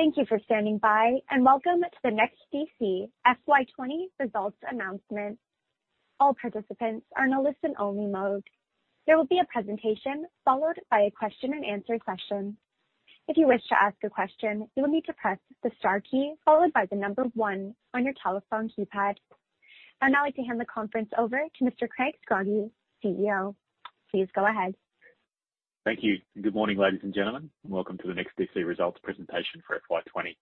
Thank you for standing by, and welcome to the NEXTDC FY 2020 results announcement. All participants are in a listen-only mode. There will be a presentation followed by a question-and-answer session. If you wish to ask a question, you will need to press the star key followed by the number one on your telephone keypad. I'd now like to hand the conference over to Mr. Craig Scroggie, CEO. Please go ahead. Thank you. Good morning, ladies and gentlemen, and welcome to the NEXTDC results presentation for FY 2020.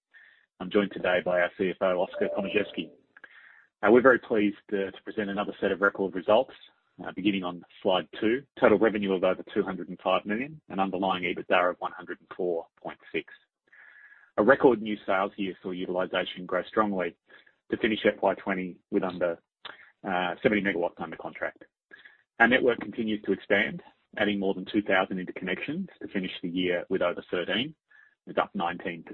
I'm joined today by our CFO, Oskar Tomaszewski. We're very pleased to present another set of record results. Beginning on slide two, total revenue of over $205 million and underlying EBITDA of $104.6 million. A record new sales year saw utilization grow strongly to finish FY 2020 with 70 MW under contract. Our network continues to expand, adding more than 2,000 interconnections to finish the year with over 13, and up 19%.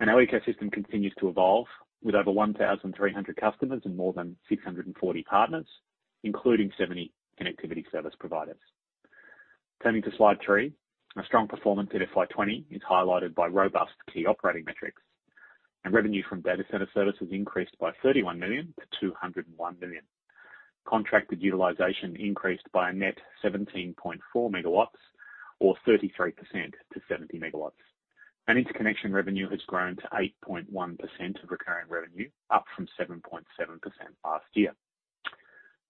Our ecosystem continues to evolve with over 1,300 customers and more than 640 partners, including 70 connectivity service providers. Turning to slide three. Our strong performance in FY 2020 is highlighted by robust key operating metrics, and revenue from data center services increased by $31 million-$201 million. Contracted utilization increased by a net 17.4 MW or 33% to 70 MW. Interconnection revenue has grown to 8.1% of recurring revenue, up from 7.7% last year.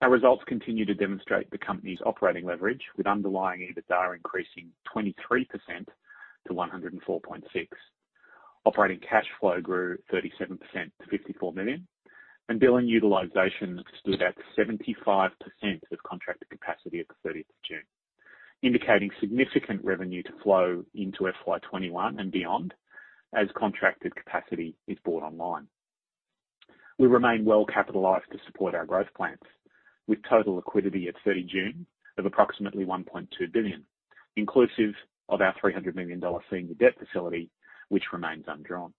Our results continue to demonstrate the company's operating leverage, with underlying EBITDA increasing 23% to $104.6. Operating cash flow grew 37% to $54 million, and billing utilization stood at 75% of contracted capacity at the 30th of June, indicating significant revenue to flow into FY 2021 and beyond as contracted capacity is brought online. We remain well capitalized to support our growth plans, with total liquidity at 30 June of approximately $1.2 billion, inclusive of our $300 million senior debt facility, which remains undrawn.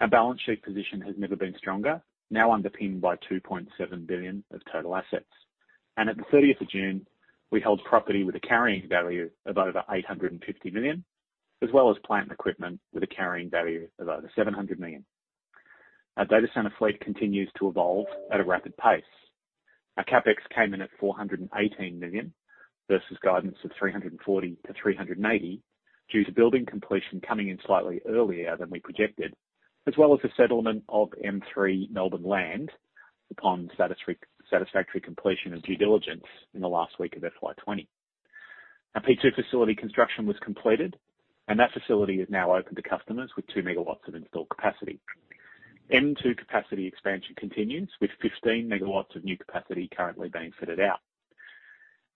Our balance sheet position has never been stronger, now underpinned by $2.7 billion of total assets. At the 30th of June, we held property with a carrying value of over $850 million, as well as plant and equipment with a carrying value of over $700 million. Our data center fleet continues to evolve at a rapid pace. Our CapEx came in at $418 million versus guidance of $340 million-$380 million due to building completion coming in slightly earlier than we projected, as well as the settlement of M3 Melbourne land upon satisfactory completion of due diligence in the last week of FY 2020. Our P2 facility construction was completed, and that facility is now open to customers with 2 MW of installed capacity. M2 capacity expansion continues, with 15 MW of new capacity currently being fitted out.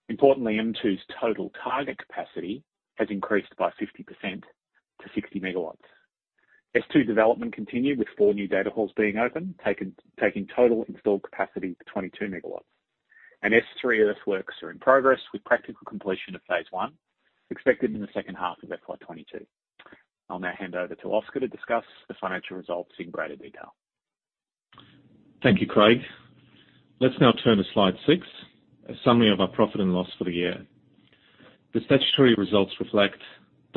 Importantly, M2's total target capacity has increased by 50% to 60 MW. S2 development continued with four new data halls being open, taking total installed capacity to 22 MW. S3 earthworks are in progress, with practical completion of phase 1 expected in the second half of FY 2022. I'll now hand over to Oskar to discuss the financial results in greater detail. Thank you, Craig. Let's now turn to slide six, a summary of our profit and loss for the year. The statutory results reflect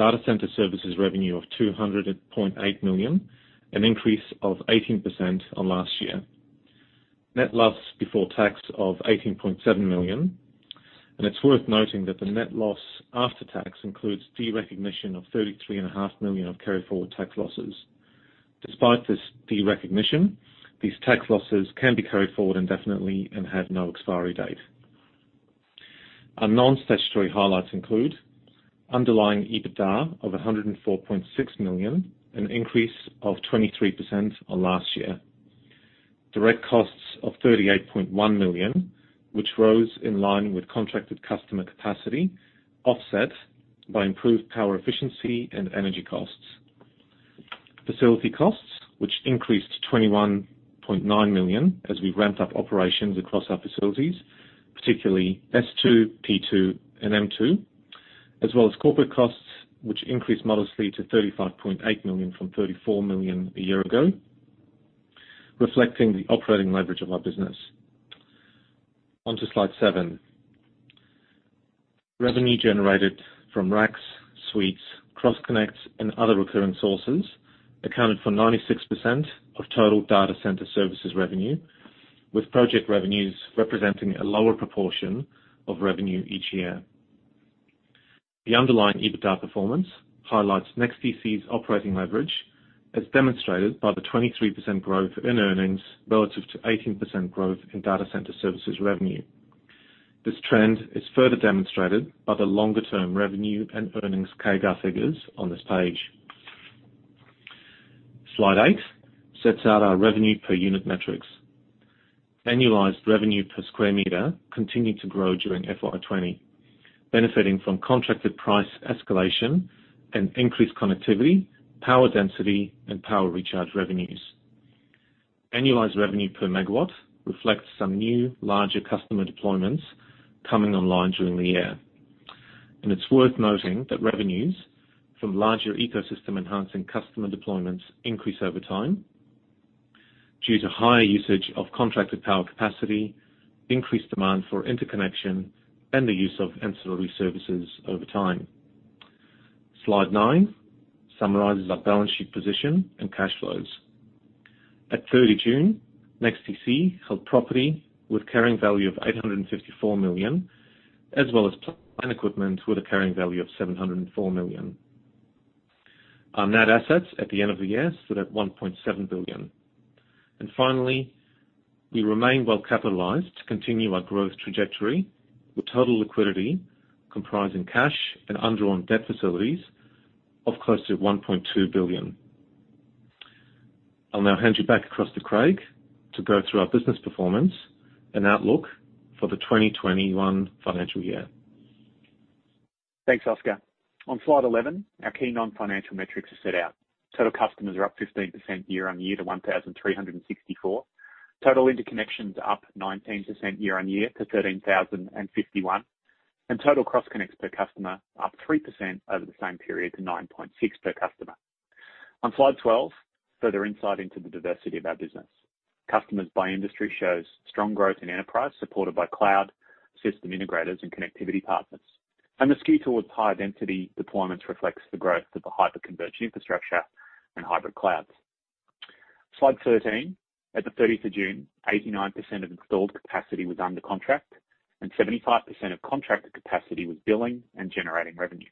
data center services revenue of $200.8 million, an increase of 18% on last year. Net loss before tax of $18.7 million. It's worth noting that the net loss after tax includes derecognition of $33.5 million of carry forward tax losses. Despite this derecognition, these tax losses can be carried forward indefinitely and have no expiry date. Our non-statutory highlights include underlying EBITDA of $104.6 million, an increase of 23% on last year. Direct costs of $38.1 million, which rose in line with contracted customer capacity, offset by improved power efficiency and energy costs. Facility costs, which increased to $21.9 million as we ramped up operations across our facilities, particularly S2, P2, and M2, as well as corporate costs, which increased modestly to $35.8 million from $34 million a year ago, reflecting the operating leverage of our business. On to slide seven. Revenue generated from racks, suites, cross connects and other recurring sources accounted for 96% of total data center services revenue, with project revenues representing a lower proportion of revenue each year. The underlying EBITDA performance highlights NEXTDC's operating leverage, as demonstrated by the 23% growth in earnings relative to 18% growth in data center services revenue. This trend is further demonstrated by the longer-term revenue and earnings CAGR figures on this page. Slide eight sets out our revenue per unit metrics. Annualized revenue per square meter continued to grow during FY 2020, benefiting from contracted price escalation and increased connectivity, power density, and power recharge revenues. Annualized revenue per megawatt reflects some new larger customer deployments coming online during the year. It's worth noting that revenues from larger ecosystem enhancing customer deployments increase over time due to higher usage of contracted power capacity, increased demand for interconnection, and the use of ancillary services over time. Slide nine summarizes our balance sheet position and cash flows. At 30 June, NEXTDC held property with carrying value of $854 million, as well as plant and equipment with a carrying value of $704 million. Our net assets at the end of the year stood at $1.7 billion. Finally, we remain well capitalized to continue our growth trajectory with total liquidity comprising cash and undrawn debt facilities of close to $1.2 billion. I'll now hand you back across to Craig to go through our business performance and outlook for the 2021 financial year. Thanks, Oskar. On slide 11, our key non-financial metrics are set out. Total customers are up 15% year-on-year to 1,364. Total interconnections are up 19% year-on-year to 13,051. Total cross connects per customer up 3% over the same period to 9.6 per customer. On slide 12, further insight into the diversity of our business. Customers by industry shows strong growth in enterprise, supported by cloud system integrators and connectivity partners. The skew towards high-density deployments reflects the growth of the hyper-converged infrastructure and hybrid clouds. Slide 13. At the 30th of June, 89% of installed capacity was under contract, and 75% of contracted capacity was billing and generating revenue.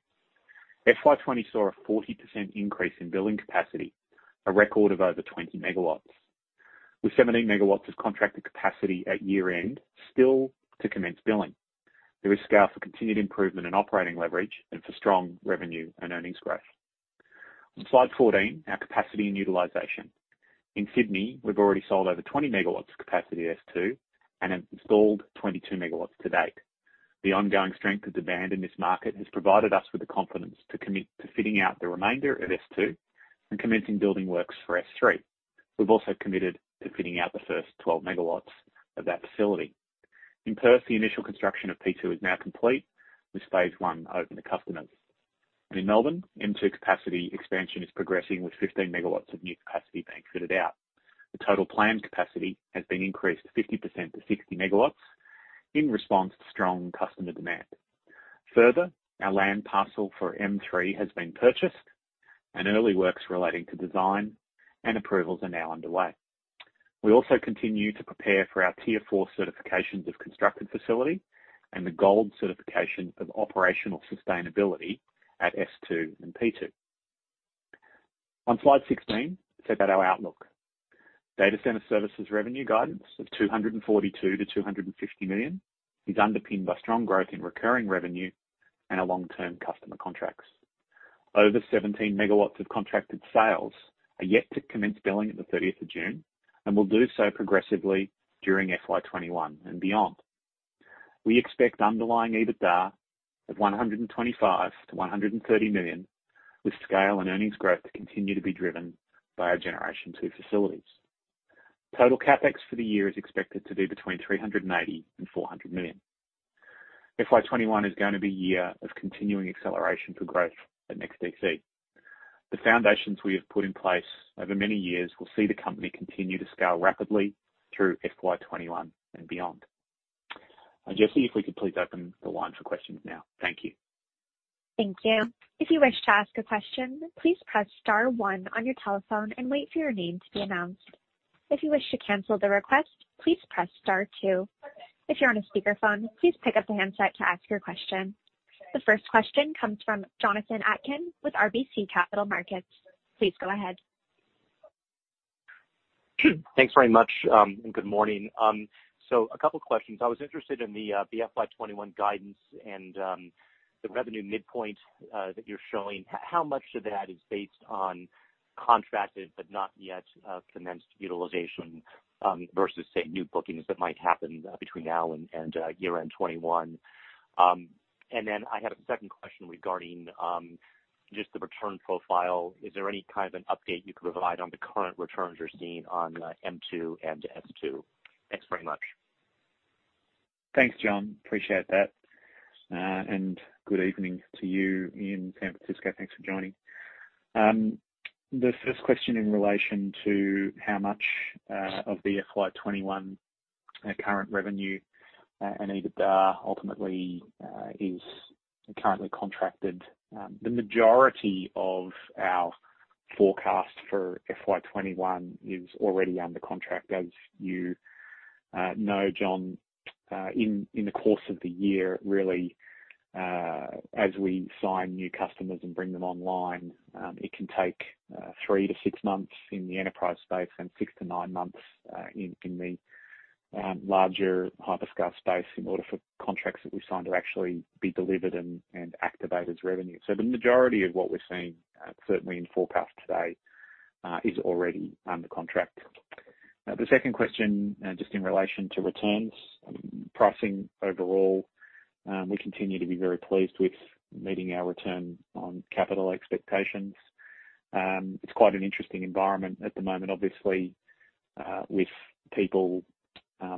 FY 2020 saw a 40% increase in billing capacity, a record of over 20 MW, with 17 MW of contracted capacity at year-end still to commence billing. There is scale for continued improvement in operating leverage and for strong revenue and earnings growth. On slide 14, our capacity and utilization. In Sydney, we've already sold over 20 MW of capacity at S2 and have installed 22 MW to date. The ongoing strength of demand in this market has provided us with the confidence to commit to fitting out the remainder at S2 and commencing building works for S3. We've also committed to fitting out the first 12 MW of that facility. In Perth, the initial construction of P2 is now complete, with phase I open to customers. In Melbourne, M2 capacity expansion is progressing with 15 MW of new capacity being fitted out. The total planned capacity has been increased 50% to 60 MW in response to strong customer demand. Our land parcel for M3 has been purchased, and early works relating to design and approvals are now underway. We also continue to prepare for our Tier IV certifications of constructed facility and the Gold Certification of Operational Sustainability at S2 and P2. On slide 16, it's about our outlook. Data center services revenue guidance of $242 million to $250 million is underpinned by strong growth in recurring revenue and our long-term customer contracts. Over 17 MW of contracted sales are yet to commence billing at the 30th of June and will do so progressively during FY21 and beyond. We expect underlying EBITDA of $125 million to $130 million, with scale and earnings growth to continue to be driven by our Generation 2 facilities. Total CapEx for the year is expected to be between $380 million and $400 million. FY 2021 is going to be a year of continuing acceleration for growth at NEXTDC. The foundations we have put in place over many years will see the company continue to scale rapidly through FY 2021 and beyond. Jessie, if we could please open the line for questions now. Thank you. The first question comes from Jonathan Atkin with RBC Capital Markets. Please go ahead. Thanks very much, and good morning. A couple questions. I was interested in the FY 2021 guidance and the revenue midpoint that you're showing. How much of that is based on contracted but not yet commenced utilization versus, say, new bookings that might happen between now and year-end 2021? Then I had a second question regarding just the return profile. Is there any kind of an update you could provide on the current returns you're seeing on M2 and S2? Thanks very much. Thanks, Jon. Appreciate that. Good evening to you in San Francisco. Thanks for joining. The first question in relation to how much of the FY 2021 current revenue and EBITDA ultimately is currently contracted. The majority of our forecast for FY 2021 is already under contract. As you know, Jon, in the course of the year, really, as we sign new customers and bring them online, it can take 3 months-6 months in the enterprise space and 6 months-9 months in the larger hyperscale space in order for contracts that we've signed to actually be delivered and activated as revenue. The majority of what we're seeing, certainly in forecast today, is already under contract. The second question, just in relation to returns, pricing overall, we continue to be very pleased with meeting our return on capital expectations. It's quite an interesting environment at the moment, obviously, with people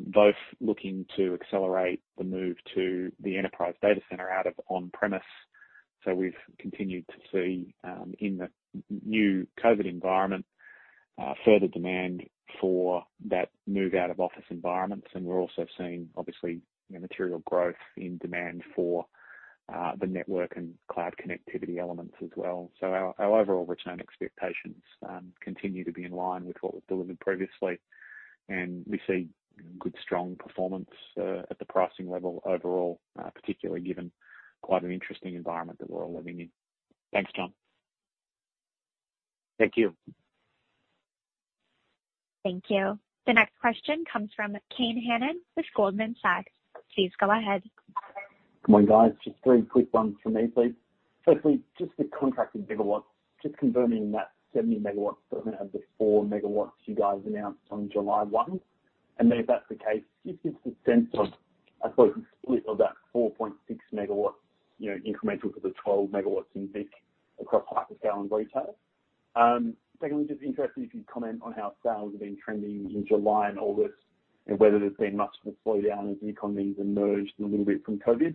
both looking to accelerate the move to the enterprise data center out of on-premises. We've continued to see, in the new COVID-19 environment, further demand for that move out of office environments. We're also seeing, obviously, material growth in demand for the network and cloud connectivity elements as well. Our overall return expectations continue to be in line with what was delivered previously, and we see good, strong performance at the pricing level overall, particularly given quite an interesting environment that we're all living in. Thanks, Jon. Thank you. Thank you. The next question comes from Kane Hannan with Goldman Sachs. Please go ahead. Good morning, guys. Just three quick ones from me, please. Just the contracted gigawatts, converting that 70 MW, we have the 4 MW you guys announced on July 1. If that's the case, just give us a sense of, I suppose, the split of that 4.6 MW incremental to the 12 MW in mix across hyperscale and retail. Just interested if you'd comment on how sales have been trending in July and August, whether there's been much more slowdown as the economy's emerged a little bit from COVID-19.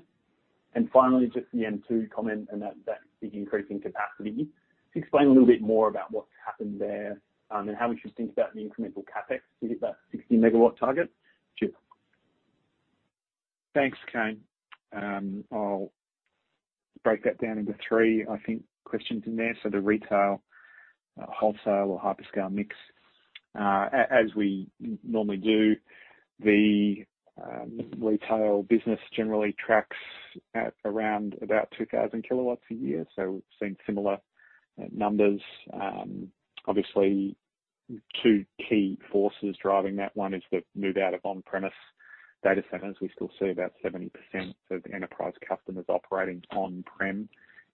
Just the M2 comment and that big increase in capacity. Just explain a little bit more about what's happened there, how we should think about the incremental CapEx to hit that 60-MW target. Cheers. Thanks, Kane. I'll break that down into three, I think, questions in there. The retail, wholesale, or hyperscale mix. As we normally do, the retail business generally tracks at around about 2,000 kW a year. We've seen similar numbers. Obviously, two key forces driving that: one is the move out of on-premise data centers. We still see about 70% of enterprise customers operating on-prem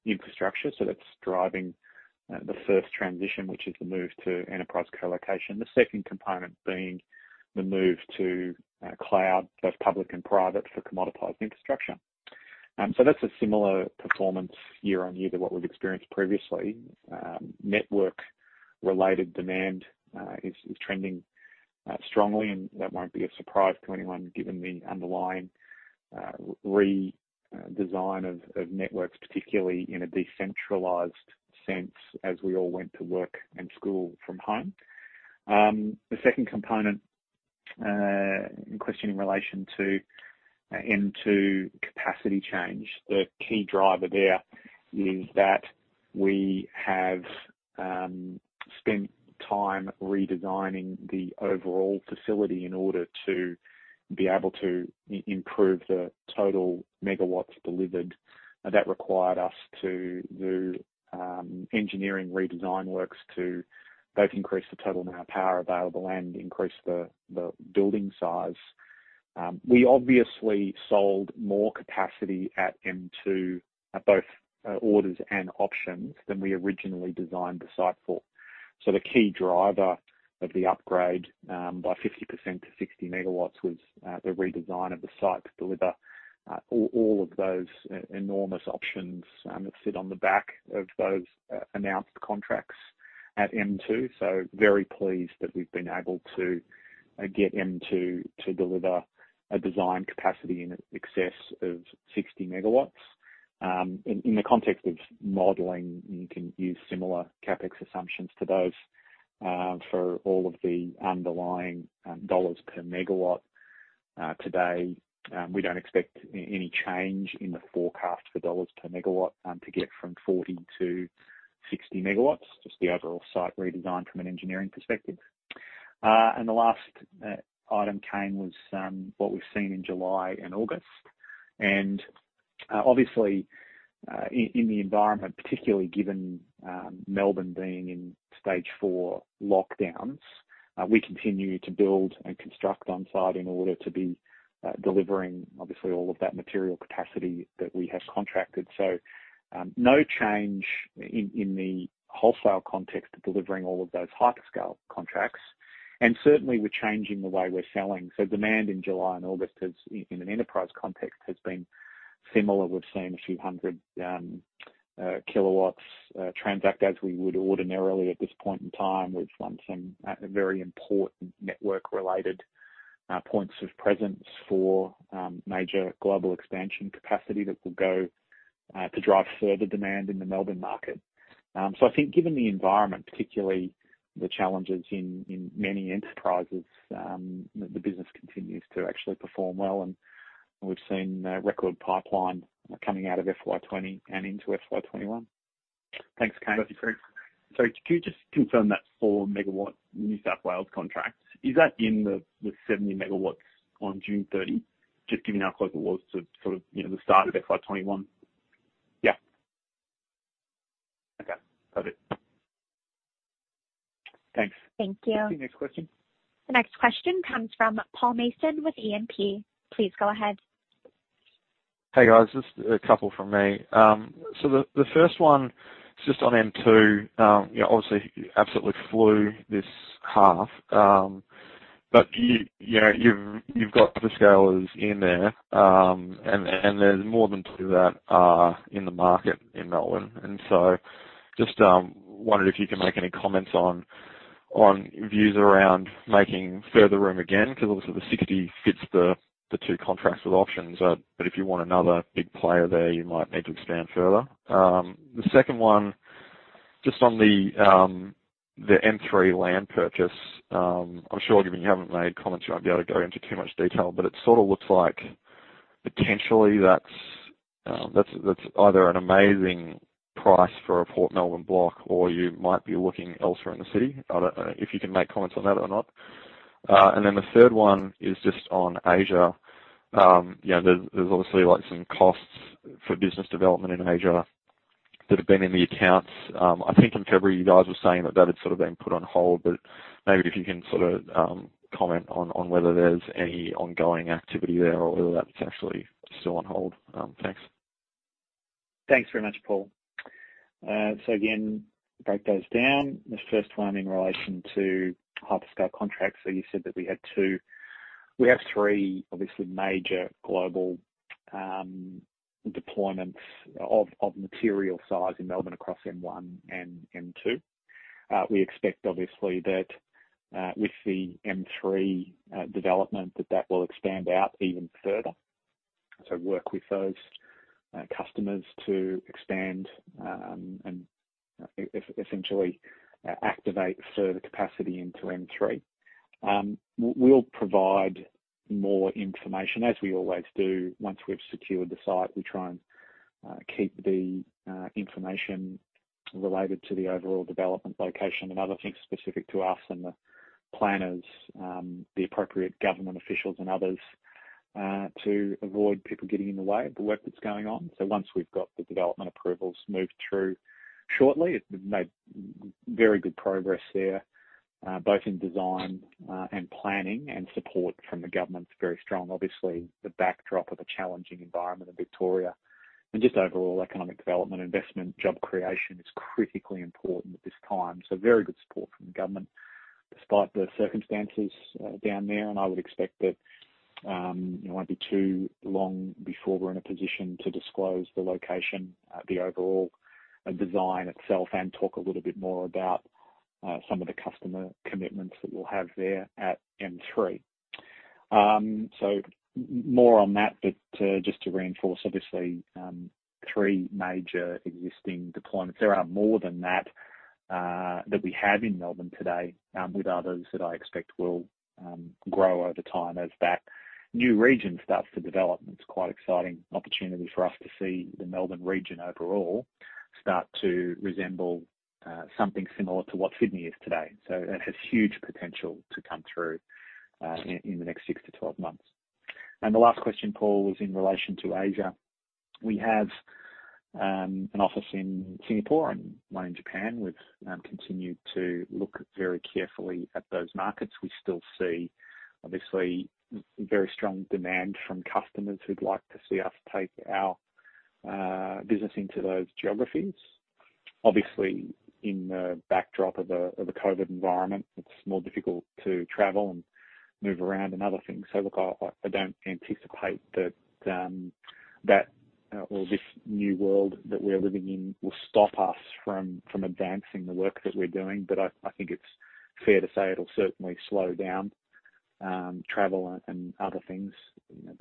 infrastructure. That's driving the first transition, which is the move to enterprise colocation. The second component being the move to cloud, both public and private, for commoditized infrastructure. That's a similar performance year-on-year to what we've experienced previously. Network-related demand is trending strongly, and that won't be a surprise to anyone given the underlying redesign of networks, particularly in a decentralized sense as we all went to work and school from home. The second component in question in relation to M2 capacity change, the key driver there is that we have spent time redesigning the overall facility in order to be able to improve the total megawatts delivered. That required us to do engineering redesign works to both increase the total amount of power available and increase the building size. We obviously sold more capacity at M2, at both orders and options, than we originally designed the site for. The key driver of the upgrade by 50% to 60 MW was the redesign of the site to deliver all of those enormous options that sit on the back of those announced contracts at M2. Very pleased that we've been able to get M2 to deliver a design capacity in excess of 60 MW. In the context of modeling, you can use similar CapEx assumptions to those for all of the underlying dollar per megawatt. Today, we don't expect any change in the forecast for dollar per megawatt to get from 40 MW-60 MW, just the overall site redesign from an engineering perspective. The last item, Kane, was what we've seen in July and August. Obviously, in the environment, particularly given Melbourne being in Stage 4 lockdowns, we continue to build and construct on-site in order to be delivering, obviously, all of that material capacity that we have contracted. No change in the wholesale context of delivering all of those hyperscale contracts. Certainly, we're changing the way we're selling. Demand in July and August in an enterprise context, has been similar. We've seen a few hundred kilowatts transact as we would ordinarily at this point in time. We've won some very important network-related points of presence for major global expansion capacity that will go to drive further demand in the Melbourne Market. I think given the environment, particularly the challenges in many enterprises, the business continues to actually perform well, and we've seen a record pipeline coming out of FY 2020 and into FY 2021. Thanks, Kane. Sorry, could you just confirm that 4 MW New South Wales contract? Is that in the 70 MW on June 30, just given how close it was to the start of FY 2021? Yeah. Okay, got it. Thanks. Thank you. Next question. The next question comes from Paul Mason with E&P. Please go ahead. Hey, guys, just a couple from me. The first one is just on M2. Obviously, you absolutely flew this half. You've got the hyperscalers in there, and there's more than two that are in the market in Melbourne. Just wondered if you can make any comments on views around making further room again, because obviously the [60 MW] fits the two contracts with options. If you want another big player there, you might need to expand further. The second one, just on the M3 land purchase. I'm sure given you haven't made comments, you won't be able to go into too much detail. It sort of looks like potentially, that's either an amazing price for a Port Melbourne block, or you might be looking elsewhere in the city. I don't know if you can make comments on that or not. The third one is just on Asia. There's obviously some costs for business development in Asia that have been in the accounts. I think in February, you guys were saying that that had sort of been put on hold, but maybe if you can sort of comment on whether there's any ongoing activity there or whether that's actually still on hold. Thanks. Thanks very much, Paul. Again, break those down. The first one in relation to hyperscale contracts, you said that we had two. We have three, obviously major global deployments of material size in Melbourne across M1 and M2. We expect obviously that with the M3 development, that will expand out even further. Work with those customers to expand and essentially activate further capacity into M3. We'll provide more information, as we always do. Once we've secured the site, we try and keep the information related to the overall development location and other things specific to us and the planners, the appropriate government officials, and others, to avoid people getting in the way of the work that's going on. Once we've got the development approvals moved through shortly, we've made very good progress there, both in design and planning, and support from the government's very strong. Obviously, the backdrop of a challenging environment in Victoria and just overall economic development, investment, job creation is critically important at this time. Very good support from the government despite the circumstances down there. I would expect that it won't be too long before we're in a position to disclose the location, the overall design itself, and talk a little bit more about some of the customer commitments that we'll have there at M3. More on that, but just to reinforce, obviously, three major existing deployments. There are more than that we have in Melbourne today, with others that I expect will grow over time as that new region starts to develop. It's quite exciting opportunity for us to see the Melbourne region overall start to resemble something similar to what Sydney is today. It has huge potential to come through in the next 6 months-12 months. The last question, Paul, was in relation to Asia. We have an office in Singapore and one in Japan. We've continued to look very carefully at those markets. We still see, obviously, very strong demand from customers who'd like to see us take our business into those geographies. Obviously, in the backdrop of a COVID-19 environment, it's more difficult to travel and move around and other things. Look, I don't anticipate that this new world that we're living in will stop us from advancing the work that we're doing. I think it's fair to say it'll certainly slow down travel and other things.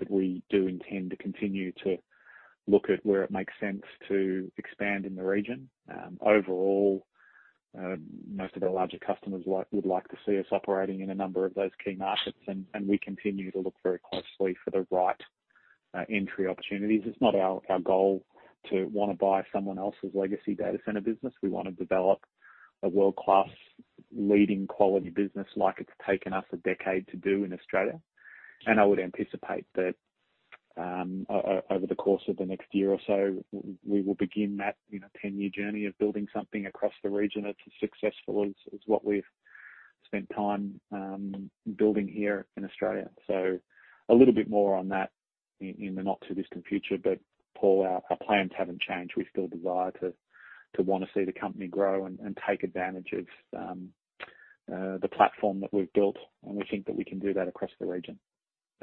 We do intend to continue to look at where it makes sense to expand in the region. Most of our larger customers would like to see us operating in a number of those key markets. We continue to look very closely for the right entry opportunities. It's not our goal to want to buy someone else's legacy data center business. We want to develop a world-class leading quality business like it's taken us a decade to do in Australia. I would anticipate that over the course of the next year or so, we will begin that 10-year journey of building something across the region that's as successful as what we've spent time building here in Australia. A little bit more on that in the not-too-distant future. Paul, our plans haven't changed. We still desire to want to see the company grow and take advantage of the platform that we've built. We think that we can do that across the region.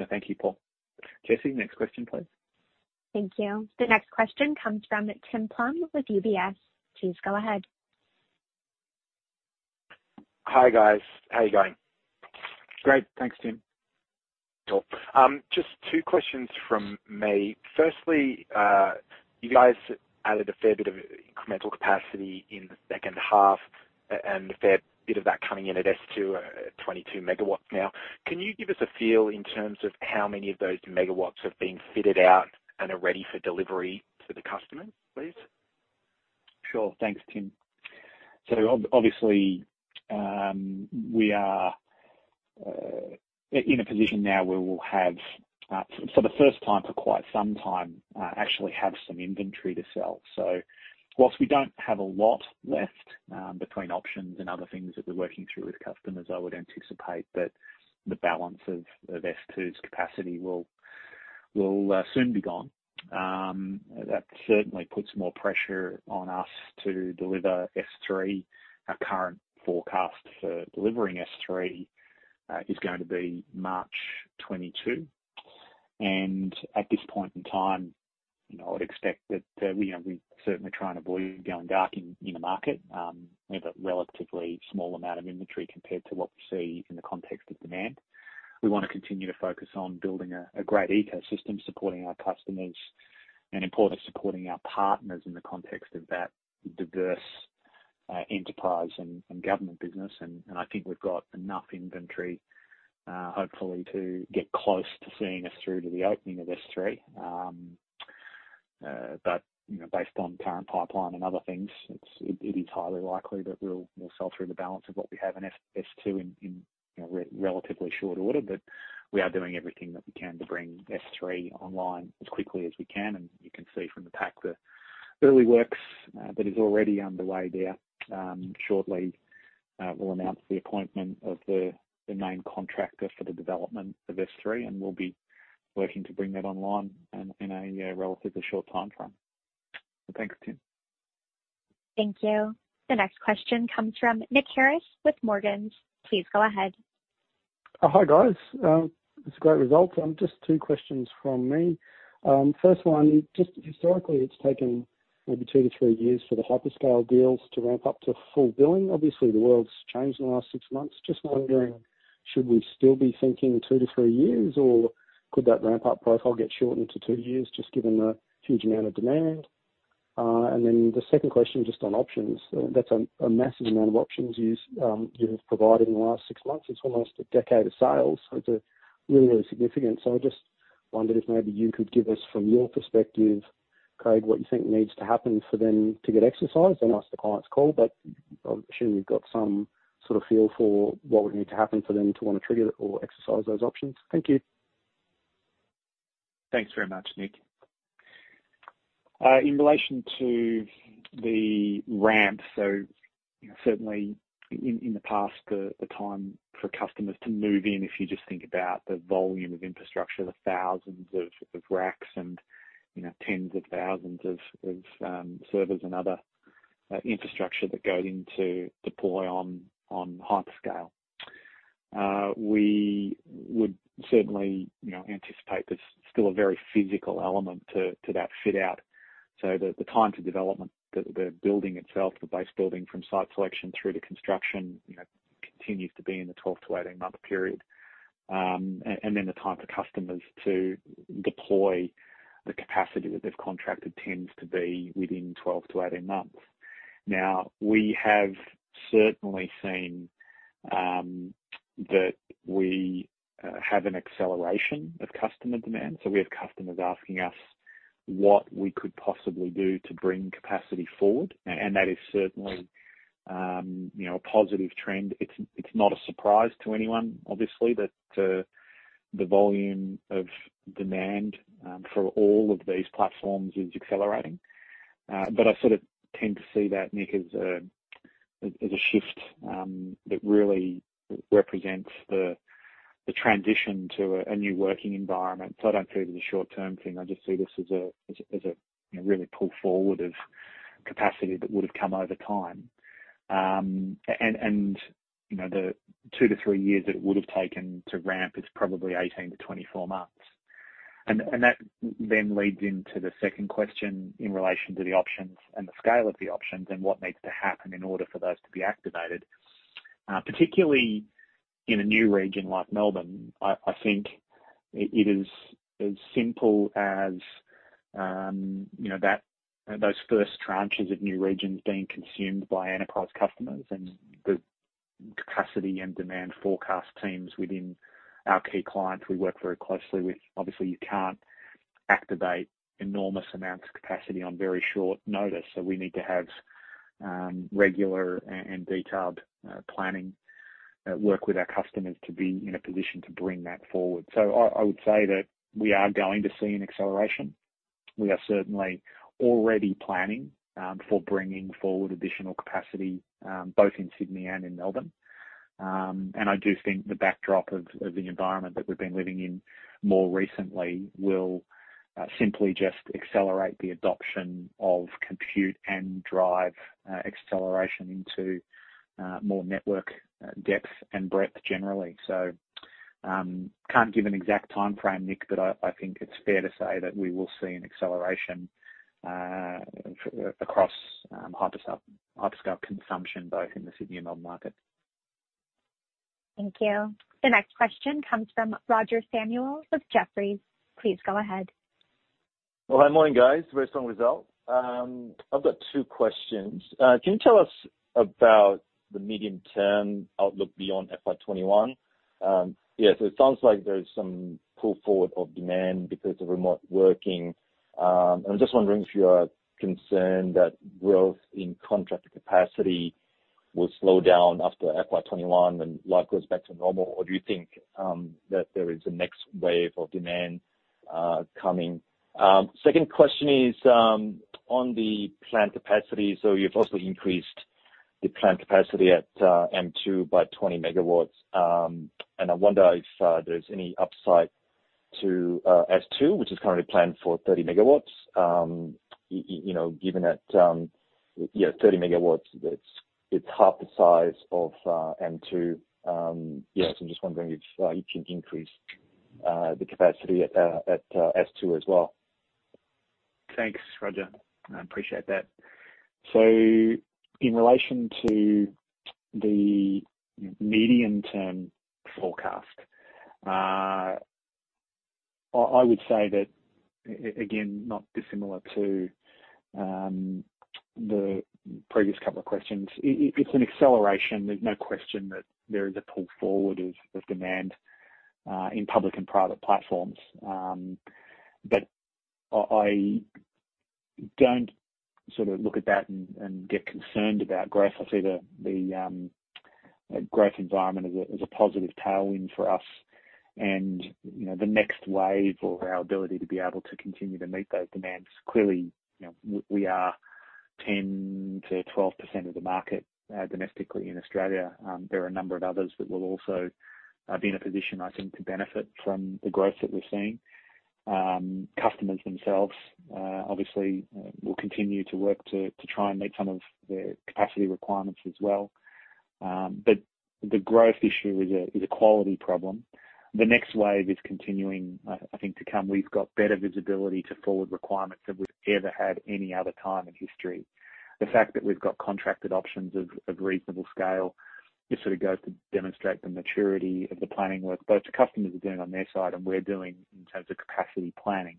Thank you, Paul. Jesse, next question, please. Thank you. The next question comes from Tim Plumbe with UBS. Please go ahead. Hi, guys. How are you going? Great. Thanks, Tim. Cool. Just two questions from me. Firstly, you guys added a fair bit of incremental capacity in the second half and a fair bit of that coming in at S2, 22 MW now. Can you give us a feel in terms of how many of those MW have been fitted out and are ready for delivery to the customer, please? Sure. Thanks, Tim. Obviously, we are in a position now where we'll have, for the first time for quite some time, actually have some inventory to sell. Whilst we don't have a lot left between options and other things that we're working through with customers, I would anticipate that the balance of S2's capacity will soon be gone. That certainly puts more pressure on us to deliver S3. Our current forecast for delivering S3 is going to be March 2022. At this point in time, I'd expect that we're certainly trying to avoid going dark in the market. We have a relatively small amount of inventory compared to what we see in the context of demand. We want to continue to focus on building a great ecosystem, supporting our customers, and importantly, supporting our partners in the context of that diverse enterprise and government business. I think we've got enough inventory, hopefully, to get close to seeing us through to the opening of S3. Based on current pipeline and other things, it is highly likely that we'll sell through the balance of what we have in S2 in relatively short order. We are doing everything that we can to bring S3 online as quickly as we can, and you can see from the pack the early works that is already underway there. Shortly, we'll announce the appointment of the main contractor for the development of S3, and we'll be working to bring that online in a relatively short timeframe. Thanks, Tim. Thank you. The next question comes from Nick Harris with Morgans. Please go ahead. Hi, guys. It's a great result. Just two questions from me. First one, just historically, it's taken maybe 2 years-3 years for the hyperscale deals to ramp up to full billing. Obviously, the world's changed in the last six months. Just wondering, should we still be thinking 2 years-3 years, or could that ramp-up profile get shortened to two years, just given the huge amount of demand? The second question just on options. That's a massive amount of options you have provided in the last six months. It's almost a decade of sales. It's really significant. I just wondered if maybe you could give us, from your perspective, Craig, what you think needs to happen for them to get exercised, unless the clients call, but I'm assuming you've got some sort of feel for what would need to happen for them to want to trigger or exercise those options? Thank you. Thanks very much, Nick. In relation to the ramp, certainly in the past, the time for customers to move in, if you just think about the volume of infrastructure, the thousands of racks and tens of thousands of servers and other infrastructure that go in to deploy on hyperscale. We would certainly anticipate there's still a very physical element to that fit out. The time to development, the building itself, the base building from site selection through to construction, continues to be in the 12- to 18-month period. The time for customers to deploy the capacity that they've contracted tends to be within 12 months-18 months. Now, we have certainly seen that we have an acceleration of customer demand, we have customers asking us what we could possibly do to bring capacity forward, that is certainly a positive trend. It's not a surprise to anyone, obviously, that the volume of demand for all of these platforms is accelerating. I sort of tend to see that, Nick, as a shift that really represents the transition to a new working environment. I don't see it as a short-term thing. I just see this as a really pull forward of capacity that would have come over time. The two to three years that it would have taken to ramp is probably 18 months-24 months. That then leads into the second question in relation to the options and the scale of the options and what needs to happen in order for those to be activated. Particularly in a new region like Melbourne, I think it is as simple as those first tranches of new regions being consumed by enterprise customers and the capacity and demand forecast teams within our key clients we work very closely with. Obviously, you can't activate enormous amounts of capacity on very short notice, so we need to have regular and detailed planning work with our customers to be in a position to bring that forward. I would say that we are going to see an acceleration. We are certainly already planning for bringing forward additional capacity, both in Sydney and in Melbourne. I do think the backdrop of the environment that we've been living in more recently will simply just accelerate the adoption of compute and drive acceleration into more network depth and breadth generally. Can't give an exact timeframe, Nick, but I think it's fair to say that we will see an acceleration across hyperscale consumption, both in the Sydney and Melbourne market. Thank you. The next question comes from Roger Samuel with Jefferies. Please go ahead. Well, hi, morning, guys. Very strong result. I've got two questions. Can you tell us about the medium-term outlook beyond FY 2021? It sounds like there's some pull forward of demand because of remote working. I'm just wondering if you are concerned that growth in contracted capacity will slow down after FY 2021 when life goes back to normal, or do you think that there is a next wave of demand coming? Second question is on the plant capacity. You've also increased the plant capacity at M2 by 20 MW. I wonder if there's any upside to S2, which is currently planned for 30 MW. Given that 30 MW, it's half the size of M2. I'm just wondering if you can increase the capacity at S2 as well. Thanks, Roger, I appreciate that. In relation to the medium term forecast, I would say that, again, not dissimilar to the previous couple of questions. It's an acceleration. There's no question that there is a pull forward of demand in public and private platforms. I don't look at that and get concerned about growth. I see the growth environment as a positive tailwind for us and the next wave or our ability to be able to continue to meet those demands. Clearly, we are 10%-12% of the market domestically in Australia. There are a number of others that will also be in a position, I think, to benefit from the growth that we're seeing. Customers themselves, obviously, will continue to work to try and meet some of their capacity requirements as well. The growth issue is a quality problem. The next wave is continuing, I think, to come. We've got better visibility to forward requirements than we've ever had any other time in history. The fact that we've got contracted options of reasonable scale just goes to demonstrate the maturity of the planning work both the customers are doing on their side and we're doing in terms of capacity planning.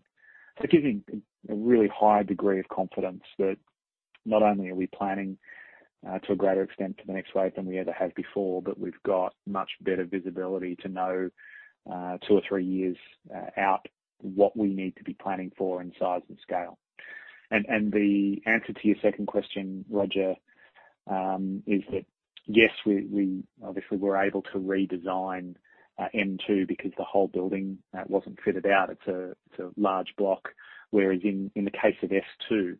It gives me a really high degree of confidence that not only are we planning to a greater extent to the next wave than we ever have before, but we've got much better visibility to know, two or three years out, what we need to be planning for in size and scale. The answer to your second question, Roger, is that yes, we obviously were able to redesign M2 because the whole building wasn't fitted out. It's a large block. In the case of S2,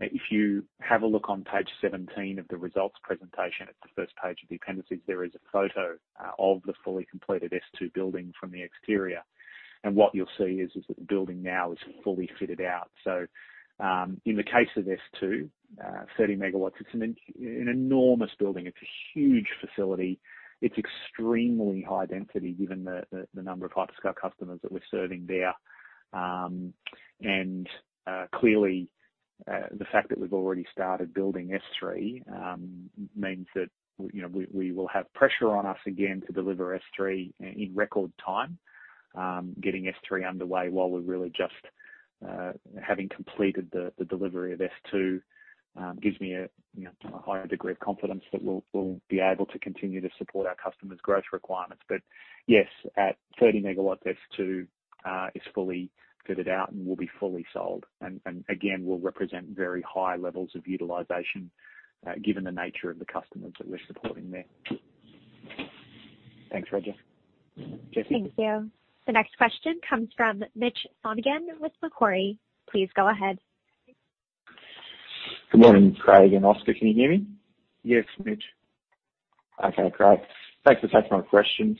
if you have a look on page 17 of the results presentation, it's the first page of the appendices, there is a photo of the fully completed S2 building from the exterior. What you'll see is that the building now is fully fitted out. In the case of S2, 30 MW, it's an enormous building. It's a huge facility. It's extremely high density, given the number of hyperscale customers that we're serving there. Clearly, the fact that we've already started building S3, means that we will have pressure on us again to deliver S3 in record time. Getting S3 underway while we're really just having completed the delivery of S2 gives me a higher degree of confidence that we'll be able to continue to support our customers' growth requirements. Yes, at 30 MW, S2 is fully fitted out and will be fully sold. Again, will represent very high levels of utilization, given the nature of the customers that we're supporting there. Thanks, Roger. Jesse? Thank you. The next question comes from Mitchell Sonogan with Macquarie. Please go ahead. Good morning, Craig and Oskar. Can you hear me? Yes, Mitch. Okay, Craig. Thanks for taking my questions.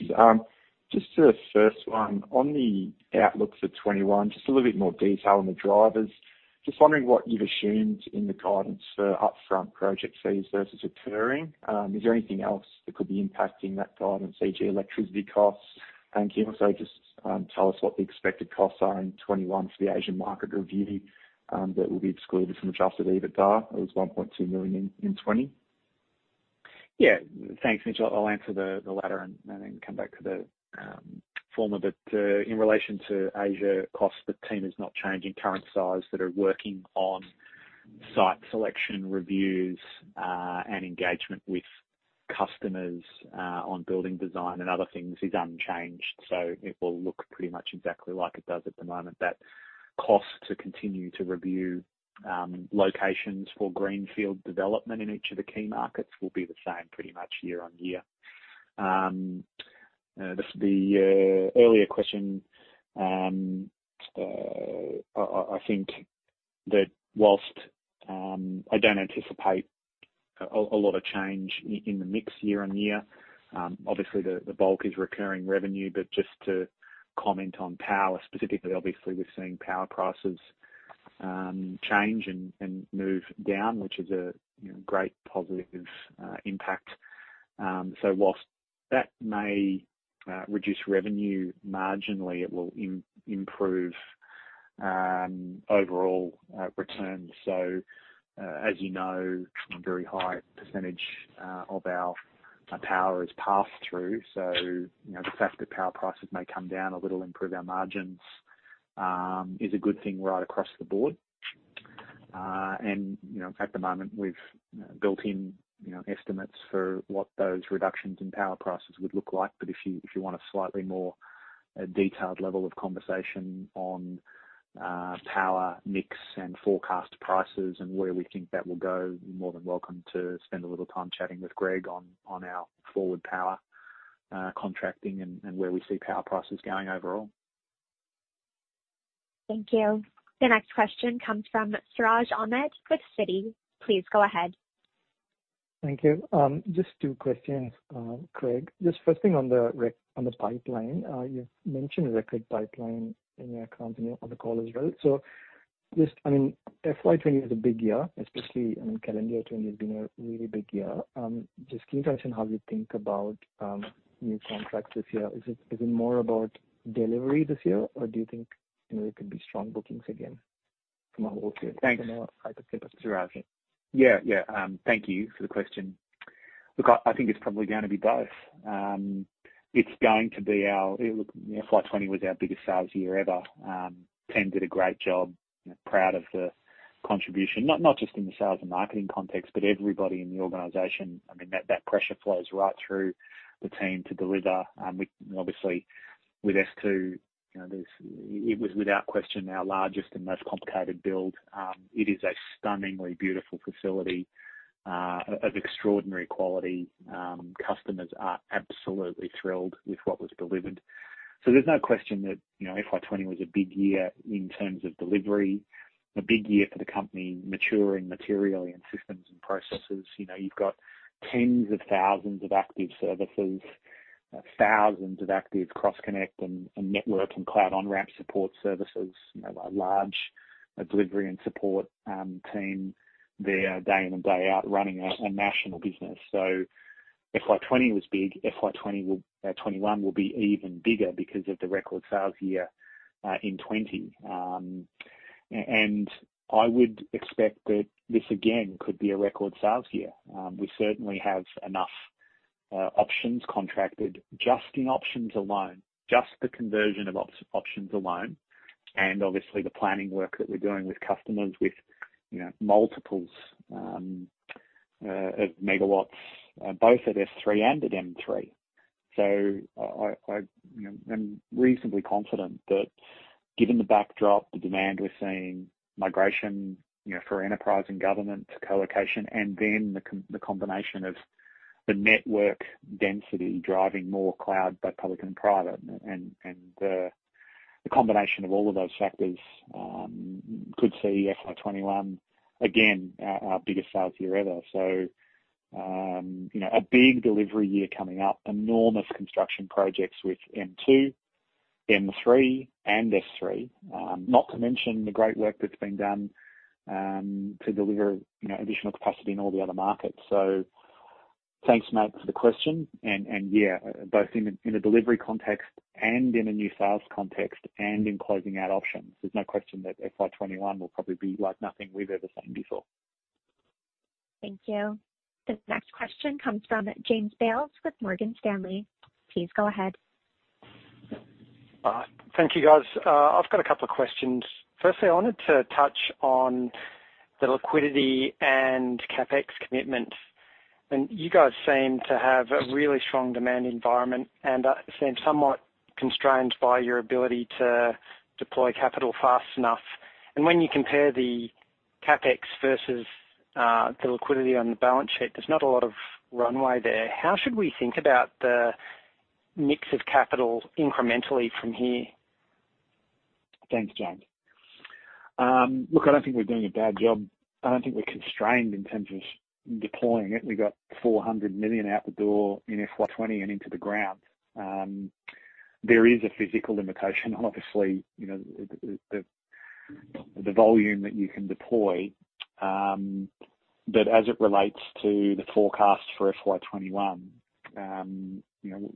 Just the first one. On the outlook for 2021, just a little bit more detail on the drivers. Just wondering what you've assumed in the guidance for upfront project fees versus recurring. Is there anything else that could be impacting that guidance, e.g., electricity costs? Can you also just tell us what the expected costs are in 2021 for the Asian market review that will be excluded from adjusted EBITDA? It was $1.2 million in 2020. Yeah. Thanks, Mitch. I'll answer the latter and then come back to the former. In relation to Asia costs, the team is not changing. Current size that are working on site selection reviews, and engagement with customers on building design and other things is unchanged. It will look pretty much exactly like it does at the moment. That cost to continue to review locations for greenfield development in each of the key markets will be the same pretty much year-on-year. The earlier question, I think that whilst I don't anticipate a lot of change in the mix year-on-year, obviously the bulk is recurring revenue. Just to comment on power specifically, obviously, we're seeing power prices change and move down, which is a great positive impact. Whilst that may reduce revenue marginally, it will improve overall returns. As you know, a very high percentage of our power is passed through. The fact that power prices may come down a little, improve our margins, is a good thing right across the board. At the moment, we've built in estimates for what those reductions in power prices would look like. If you want a slightly more detailed level of conversation on power mix and forecast prices and where we think that will go, you're more than welcome to spend a little time chatting with Greg on our forward power contracting and where we see power prices going overall. Thank you. The next question comes from Siraj Ahmed with Citi. Please go ahead. Thank you. Just two questions, Craig. Just first thing on the pipeline. You've mentioned record pipeline in your comments on the call as well. Just, FY 2020 is a big year, especially calendar 2020 has been a really big year. Just keen to understand how you think about new contracts this year. Is it more about delivery this year, or do you think there could be strong bookings again from a hyperscale perspective. Sure, [Ahmed]. Thank you for the question. I think it's probably going to be both. FY 2020 was our biggest sales year ever. The team did a great job. Proud of the contribution, not just in the sales and marketing context, but everybody in the organization. That pressure flows right through the team to deliver. Obviously with S2, it was without question our largest and most complicated build. It is a stunningly beautiful facility of extraordinary quality. Customers are absolutely thrilled with what was delivered. There's no question that FY 2020 was a big year in terms of delivery, a big year for the company maturing materially in systems and processes. You've got tens of thousands of active services, thousands of active cross connects and network and cloud on-ramp support services, a large delivery and support team there day in and day out running a national business. FY 2020 was big. FY 2021 will be even bigger because of the record sales year in 2020. I would expect that this, again, could be a record sales year. We certainly have enough options contracted just in options alone, just the conversion of options alone, and obviously the planning work that we're doing with customers with multiples of MW, both at S3 and at M3. I'm reasonably confident that given the backdrop, the demand we're seeing, migration for enterprise and government colocation, and then the combination of the network density driving more cloud, both public and private, the combination of all of those factors could see FY 2021, again, our biggest sales year ever. A big delivery year coming up. Enormous construction projects with M2, M3, and S3. Not to mention the great work that's been done to deliver additional capacity in all the other markets. Thanks, mate, for the question. Yeah, both in a delivery context and in a new sales context and in closing out options, there's no question that FY 2021 will probably be like nothing we've ever seen before. Thank you. The next question comes from James Bales with Morgan Stanley. Please go ahead. Thank you, guys. I've got a couple of questions. Firstly, I wanted to touch on the liquidity and CapEx commitments. You guys seem to have a really strong demand environment and seem somewhat constrained by your ability to deploy capital fast enough. When you compare the CapEx versus the liquidity on the balance sheet, there's not a lot of runway there. How should we think about the mix of capital incrementally from here? Thanks, James. Look, I don't think we're doing a bad job. I don't think we're constrained in terms of deploying it. We got $400 million out the door in FY 2020 and into the ground. There is a physical limitation, obviously, the volume that you can deploy. As it relates to the forecast for FY 2021,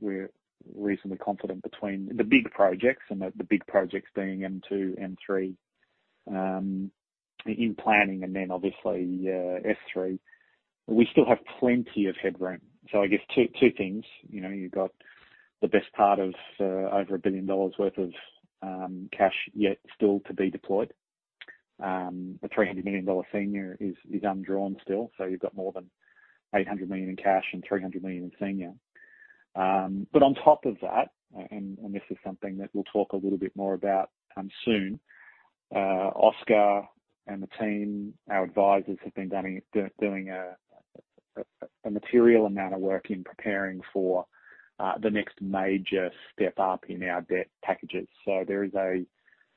we're reasonably confident between the big projects, and the big projects being M2, M3 in planning, and then obviously S3. We still have plenty of headroom. I guess two things. You've got the best part of over $1 billion worth of cash yet still to be deployed. The $300 million senior is undrawn still, so you've got more than $800 million in cash and $300 million in senior. On top of that, and this is something that we'll talk a little bit more about soon, Oskar and the team, our advisors, have been doing a material amount of work in preparing for the next major step up in our debt packages. There is a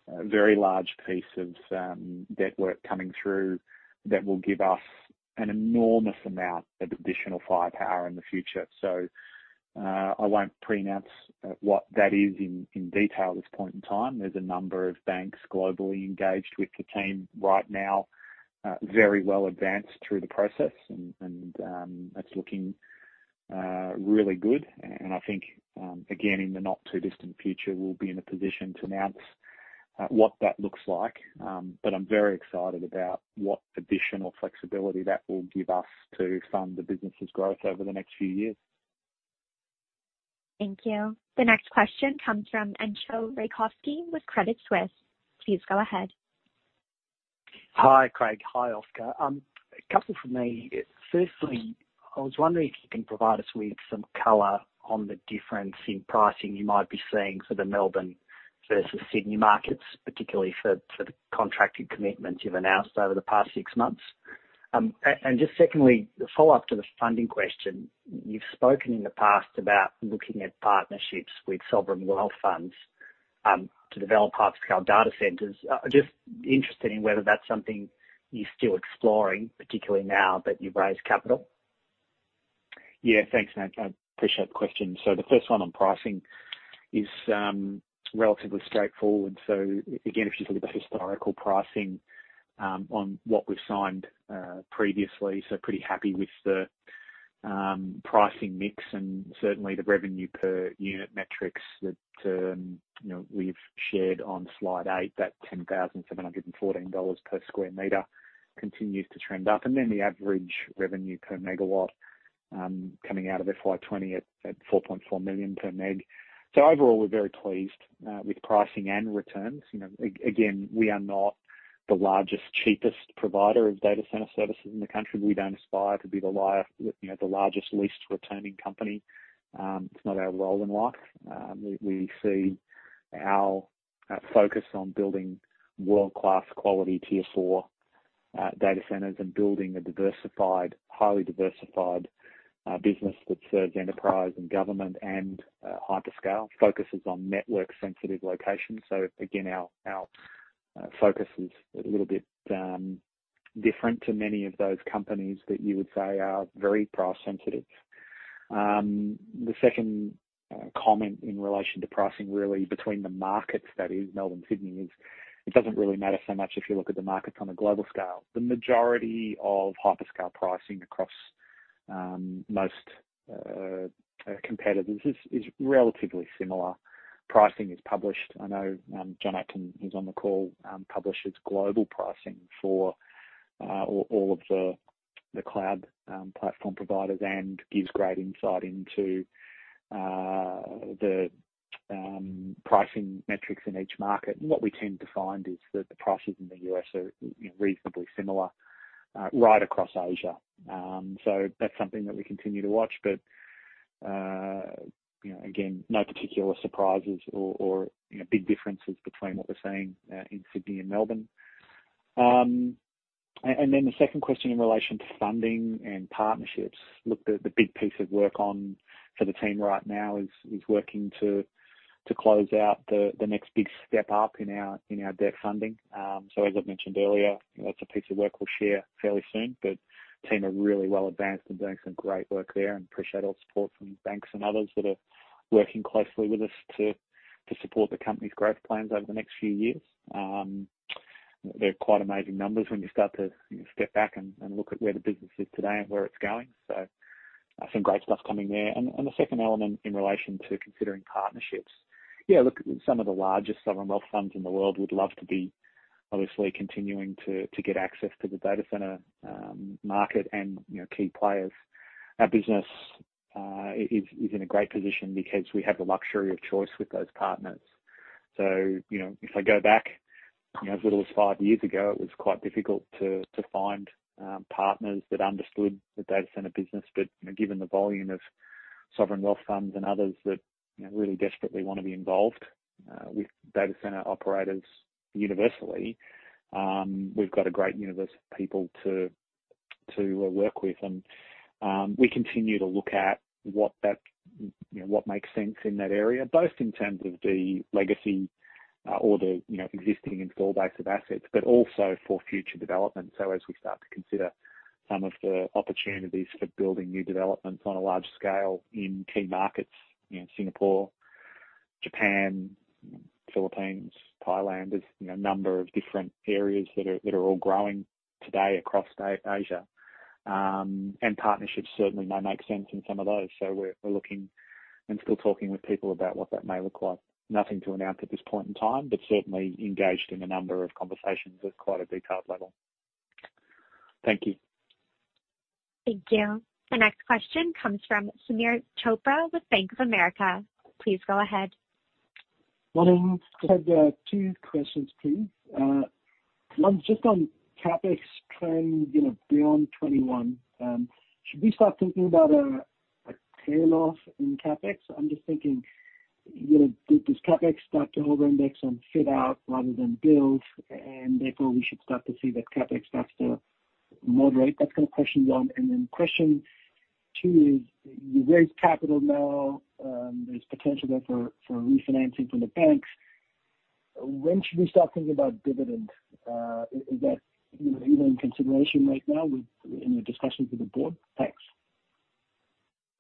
very large piece of debt work coming through that will give us an enormous amount of additional firepower in the future. I won't pre-announce what that is in detail at this point in time. There's a number of banks globally engaged with the team right now, very well advanced through the process, and that's looking really good. I think, again, in the not-too-distant future, we'll be in a position to announce what that looks like. I'm very excited about what additional flexibility that will give us to fund the business's growth over the next few years. Thank you. The next question comes from Entcho Raykovski with Credit Suisse. Please go ahead. Hi, Craig. Hi, Oskar. A couple from me. Firstly, I was wondering if you can provide us with some color on the difference in pricing you might be seeing for the Melbourne versus Sydney markets, particularly for the contracted commitments you've announced over the past six months. Just secondly, a follow-up to the funding question. You've spoken in the past about looking at partnerships with sovereign wealth funds to develop hyperscale data centers. Just interested in whether that's something you're still exploring, particularly now that you've raised capital? Thanks, mate. I appreciate the question. The first one on pricing is relatively straightforward. Again, if you look at historical pricing on what we've signed previously, pretty happy with the pricing mix and certainly the revenue per unit metrics that we've shared on slide eight, that $10,714 per square meter continues to trend up. The average revenue per megawatt coming out of FY 2020 at $ 4.4 million per meg. Overall, we're very pleased with pricing and returns. Again, we are not the largest, cheapest provider of data center services in the country. We don't aspire to be the largest, least returning company. It's not our role in life. We see our focus on building world-class quality Tier IV data centers and building a highly diversified business that serves enterprise and government and hyperscale, focuses on network-sensitive locations. Again, our focus is a little bit different to many of those companies that you would say are very price sensitive. The second comment in relation to pricing, really between the markets, that is Melbourne, Sydney, is it doesn't really matter so much if you look at the markets on a global scale. The majority of hyperscale pricing across most competitors is relatively similar. Pricing is published. I know Jonathan Atkin, who's on the call, publishes global pricing for all of the cloud platform providers and gives great insight into the pricing metrics in each market. What we tend to find is that the prices in the U.S. are reasonably similar right across Asia. That's something that we continue to watch. Again, no particular surprises or big differences between what we're seeing in Sydney and Melbourne. The second question in relation to funding and partnerships. Look, the big piece of work on for the team right now is working to close out the next big step up in our debt funding. As I've mentioned earlier, that's a piece of work we'll share fairly soon. Team are really well advanced and doing some great work there and appreciate all the support from banks and others that are working closely with us to support the company's growth plans over the next few years. They're quite amazing numbers when you start to step back and look at where the business is today and where it's going. Some great stuff coming there. The second element in relation to considering partnerships. Yeah, look, some of the largest sovereign wealth funds in the world would love to be obviously continuing to get access to the data center market and key players. Our business is in a great position because we have the luxury of choice with those partners. If I go back as little as five years ago, it was quite difficult to find partners that understood the data center business. Given the volume of sovereign wealth funds and others that really desperately want to be involved with data center operators universally, we've got a great universe of people to work with. We continue to look at what makes sense in that area, both in terms of the legacy or the existing install base of assets, but also for future development. As we start to consider some of the opportunities for building new developments on a large scale in key markets, Singapore, Japan, Philippines, Thailand, there's a number of different areas that are all growing today across Asia. Partnerships certainly may make sense in some of those. We're looking and still talking with people about what that may look like. Nothing to announce at this point in time, but certainly engaged in a number of conversations at quite a detailed level. Thank you. Thank you. The next question comes from Sameer Chopra with Bank of America. Please go ahead. Morning. Just had two questions, please. One's just on CapEx trend beyond 2021. Should we start thinking about a tail off in CapEx? I'm just thinking, does CapEx start to over index on fit out rather than build, and therefore we should start to see that CapEx starts to moderate? That's kind of question one. Then question two is, you raise capital now. There's potential there for refinancing from the banks. When should we start thinking about dividend? Is that even in consideration right now in your discussions with the board? Thanks.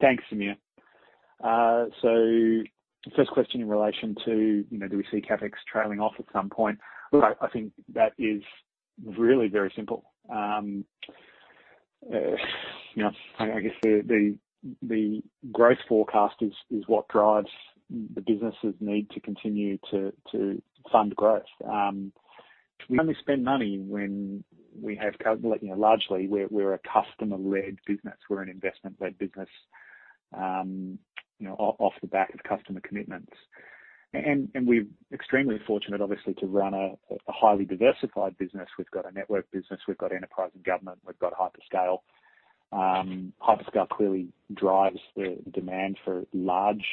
Thanks, Sameer. First question in relation to do we see CapEx trailing off at some point? Look, I think that is really very simple. I guess the growth forecast is what drives the business' need to continue to fund growth. We only spend money when largely, we're a customer-led business. We're an investment-led business off the back of customer commitments. We're extremely fortunate, obviously, to run a highly diversified business. We've got a network business, we've got enterprise and government, we've got hyperscale. Hyperscale clearly drives the demand for large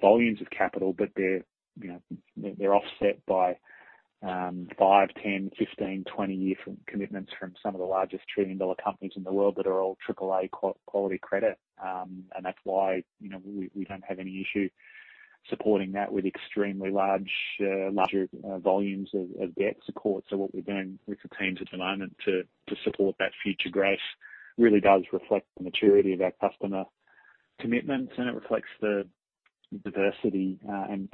volumes of capital, but they're offset by five, 10-, 15-, 20-year commitments from some of the largest trillion-dollar companies in the world that are all triple A quality credit. That's why we don't have any issue supporting that with extremely large volumes of debt support. What we're doing with the teams at the moment to support that future growth really does reflect the maturity of our customer commitments, and it reflects the diversity and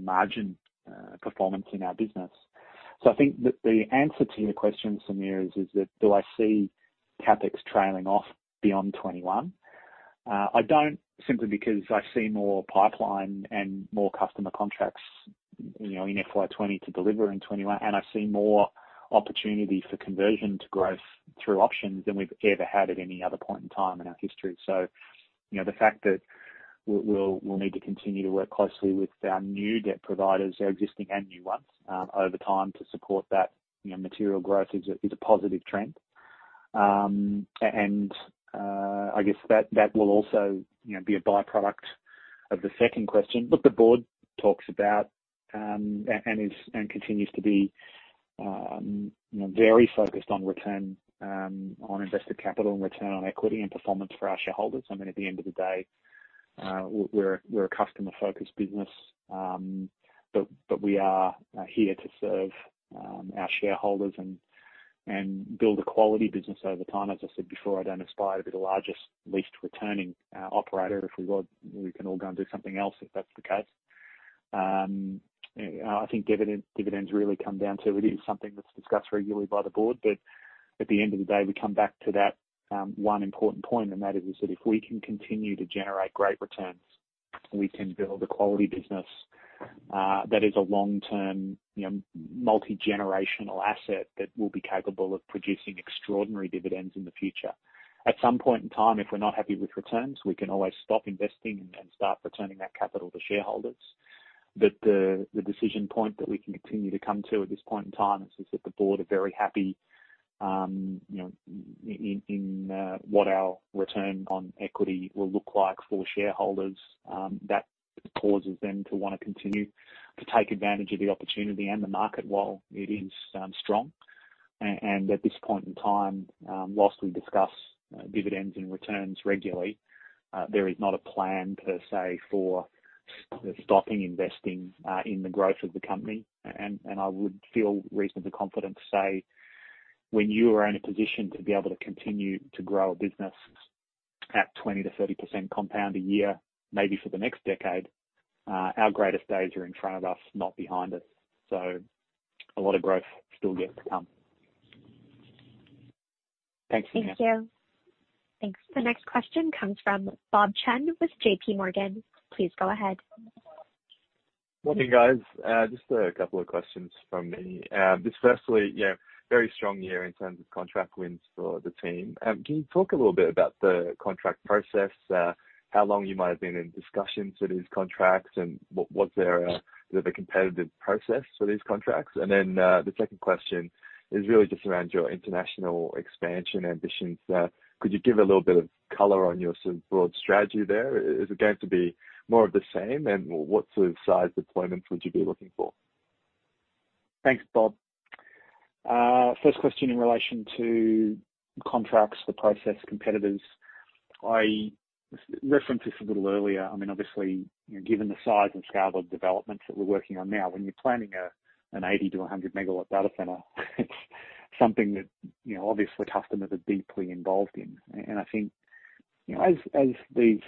margin performance in our business. I think that the answer to your question, Sameer, is that do I see CapEx trailing off beyond 2021? I don't, simply because I see more pipeline and more customer contracts in FY 2020 to deliver in 2021, and I see more opportunity for conversion to growth through options than we've ever had at any other point in time in our history. The fact that we'll need to continue to work closely with our new debt providers, our existing and new ones, over time to support that material growth is a positive trend. I guess that will also be a by-product of the second question. Look, the board talks about, and continues to be very focused on return on invested capital and return on equity and performance for our shareholders. I mean, at the end of the day, we're a customer-focused business, but we are here to serve our shareholders and build a quality business over time. As I said before, I don't aspire to be the largest leased returning operator. If we were, we can all go and do something else if that's the case. I think dividends really come down to, it is something that's discussed regularly by the board. At the end of the day, we come back to that one important point, and that is that if we can continue to generate great returns, we can build a quality business that is a long-term, multi-generational asset that will be capable of producing extraordinary dividends in the future. At some point in time, if we're not happy with returns, we can always stop investing and start returning that capital to shareholders. The decision point that we can continue to come to at this point in time is that the board are very happy in what our return on equity will look like for shareholders. That causes them to want to continue to take advantage of the opportunity and the market while it is strong. At this point in time, whilst we discuss dividends and returns regularly, there is not a plan, per se, for stopping investing in the growth of the company. I would feel reasonably confident to say when you are in a position to be able to continue to grow a business at 20%-30% compound a year, maybe for the next decade, our greatest days are in front of us, not behind us. A lot of growth still yet to come. Thanks, Sameer. Thank you. Thanks. The next question comes from Bob Chen with JPMorgan. Please go ahead. Morning, guys. A couple of questions from me. Firstly, very strong year in terms of contract wins for the team. Can you talk a little bit about the contract process, how long you might have been in discussions for these contracts, and was there a competitive process for these contracts? The second question is really just around your international expansion ambitions. Could you give a little bit of color on your broad strategy there? Is it going to be more of the same? What sort of size deployments would you be looking for? Thanks, Bob. First question in relation to contracts, the process, competitors. I referenced this a little earlier. Obviously, given the size and scale of developments that we're working on now, when you're planning an 80 MW-100 MW data center, it's something that obviously customers are deeply involved in. I think as these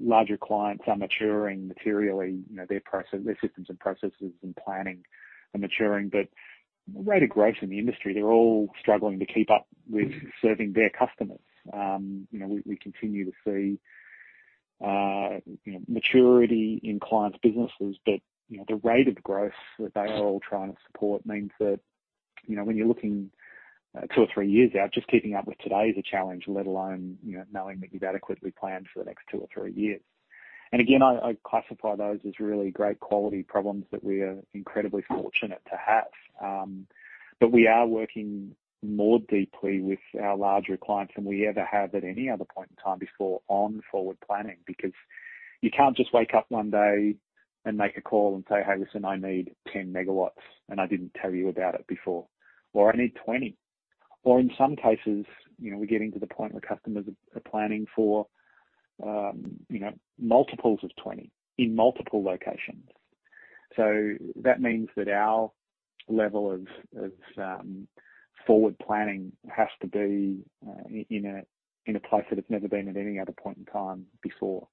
larger clients are maturing materially, their systems and processes and planning are maturing. The rate of growth in the industry, they're all struggling to keep up with serving their customers. We continue to see maturity in clients' businesses, but the rate of growth that they are all trying to support means that when you're looking two or three years out, just keeping up with today is a challenge, let alone knowing that you've adequately planned for the next two or three years. Again, I'd classify those as really great quality problems that we are incredibly fortunate to have. We are working more deeply with our larger clients than we ever have at any other point in time before on forward planning, because you can't just wake up one day and make a call and say, "Hey, listen, I need 10 MW, and I didn't tell you about it before," or, "I need 20." In some cases, we're getting to the point where customers are planning for multiples of 20 in multiple locations. That means that our level of forward planning has to be in a place that it's never been at any other point in time before.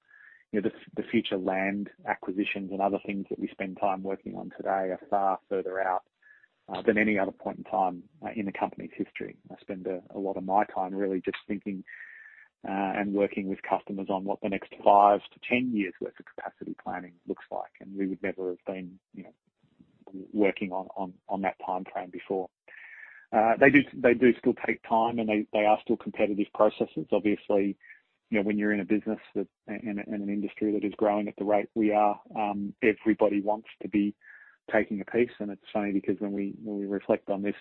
The future land acquisitions and other things that we spend time working on today are far further out than any other point in time in the company's history. I spend a lot of my time really just thinking and working with customers on what the next 5 years-10 years' worth of capacity planning looks like. We would never have been working on that timeframe before. They do still take time. They are still competitive processes. Obviously, when you're in a business and an industry that is growing at the rate we are, everybody wants to be taking a piece. It's funny because when we reflect on this,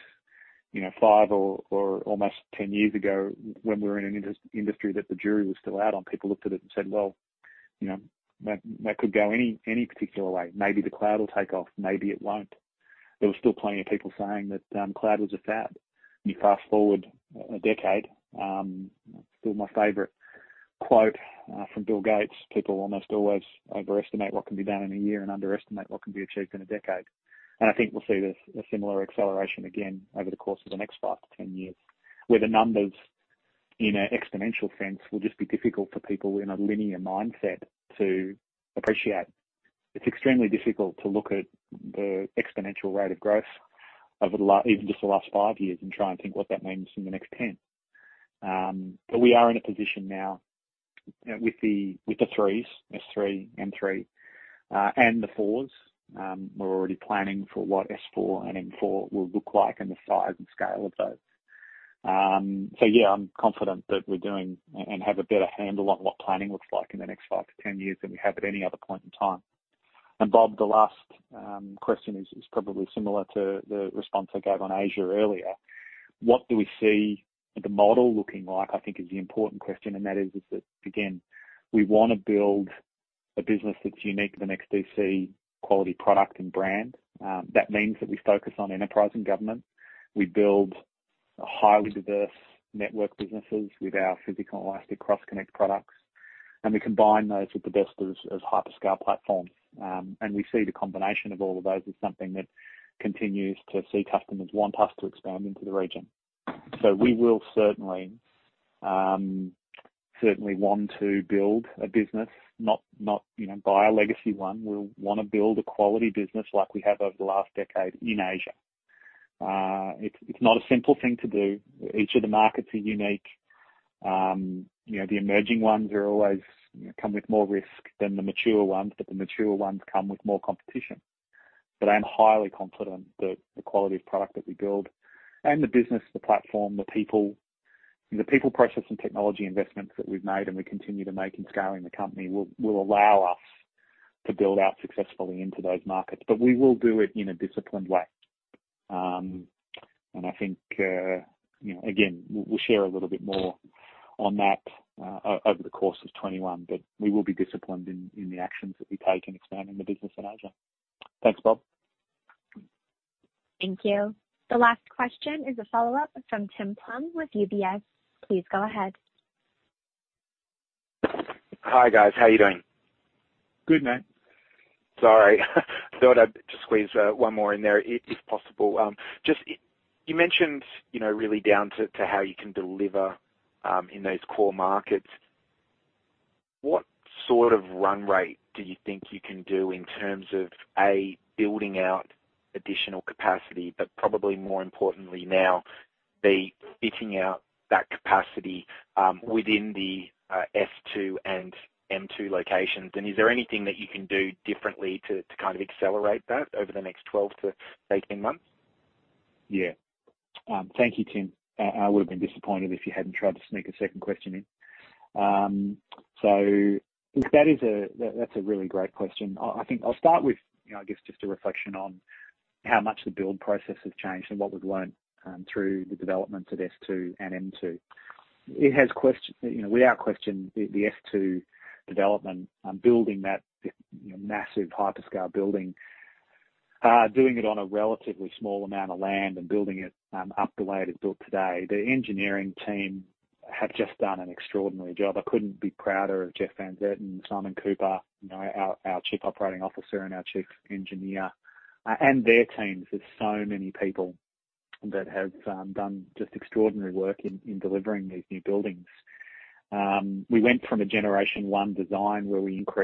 5 years or almost 10 years ago, when we were in an industry that the jury was still out on, people looked at it and said, "Well, that could go any particular way. Maybe the cloud will take off, maybe it won't." There were still plenty of people saying that cloud was a fad. You fast-forward a decade, still my favorite quote from Bill Gates, "People almost always overestimate what can be done in a year and underestimate what can be achieved in a decade." I think we'll see a similar acceleration again over the course of the next 5 years-10 years, where the numbers in an exponential sense will just be difficult for people in a linear mindset to appreciate. It's extremely difficult to look at the exponential rate of growth over even just the last five years and try and think what that means in the next 10 years. We are in a position now with the 3s, S3, M3, and the 4s. We're already planning for what S4 and M4 will look like and the size and scale of those. Yeah, I'm confident that we're doing and have a better handle on what planning looks like in the next 5 years-10 years than we have at any other point in time. Bob, the last question is probably similar to the response I gave on Asia earlier. What do we see the model looking like, I think is the important question, and that is, again, we want to build a business that's unique to the NEXTDC quality product and brand. That means that we focus on enterprise and government. We build highly diverse network businesses with our physical Elastic Cross Connect products, and we combine those with the best of hyperscale platforms. We see the combination of all of those as something that continues to see customers want us to expand into the region. We will certainly want to build a business, not buy a legacy one. We'll want to build a quality business like we have over the last decade in Asia. It's not a simple thing to do. Each of the markets are unique. The emerging ones always come with more risk than the mature ones, but the mature ones come with more competition. I'm highly confident that the quality of product that we build and the business, the platform, the people, process, and technology investments that we've made and we continue to make in scaling the company will allow us to build out successfully into those markets. We will do it in a disciplined way. I think, again, we'll share a little bit more on that over the course of 2021, but we will be disciplined in the actions that we take in expanding the business in Asia. Thanks, Bob. Thank you. The last question is a follow-up from Tim Plumbe with UBS. Please go ahead. Hi, guys. How are you doing? Good, mate. Sorry. Thought I'd just squeeze one more in there if possible. You mentioned really down to how you can deliver in those core markets. What sort of run rate do you think you can do in terms of, A, building out additional capacity, but probably more importantly now, B, fitting out that capacity within the S2 and M2 locations? Is there anything that you can do differently to kind of accelerate that over the next 12 months-8 months? Yeah. Thank you, Tim. I would've been disappointed if you hadn't tried to sneak a second question in. That's a really great question. I think I'll start with, I guess, just a reflection on how much the build process has changed and what we've learned through the developments at S2 and M2. Without question, the S2 development, building that massive hyperscale building, doing it on a relatively small amount of land and building it up the way it is built today, the engineering team have just done an extraordinary job. I couldn't be prouder of Jeffrey Van Zetten, Simon Cooper, our Chief Operating Officer and our Chief Engineer, and their teams. There's so many people that have done just extraordinary work in delivering these new buildings. We went from a Generation 1 design. Look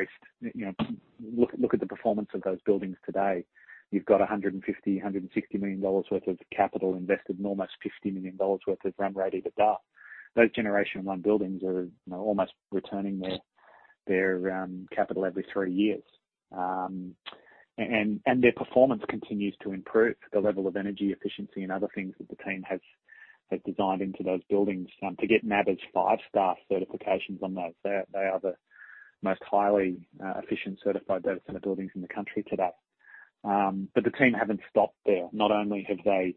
at the performance of those buildings today. You've got $150 million, $160 million worth of capital invested and almost $50 million worth of run rate out the door. Those Generation 1 buildings are almost returning their capital every three years. Their performance continues to improve. The level of energy efficiency and other things that the team has designed into those buildings to get [NABERS] five-star certifications on those. They are the most highly efficient certified data center buildings in the country today. The team haven't stopped there. Not only have they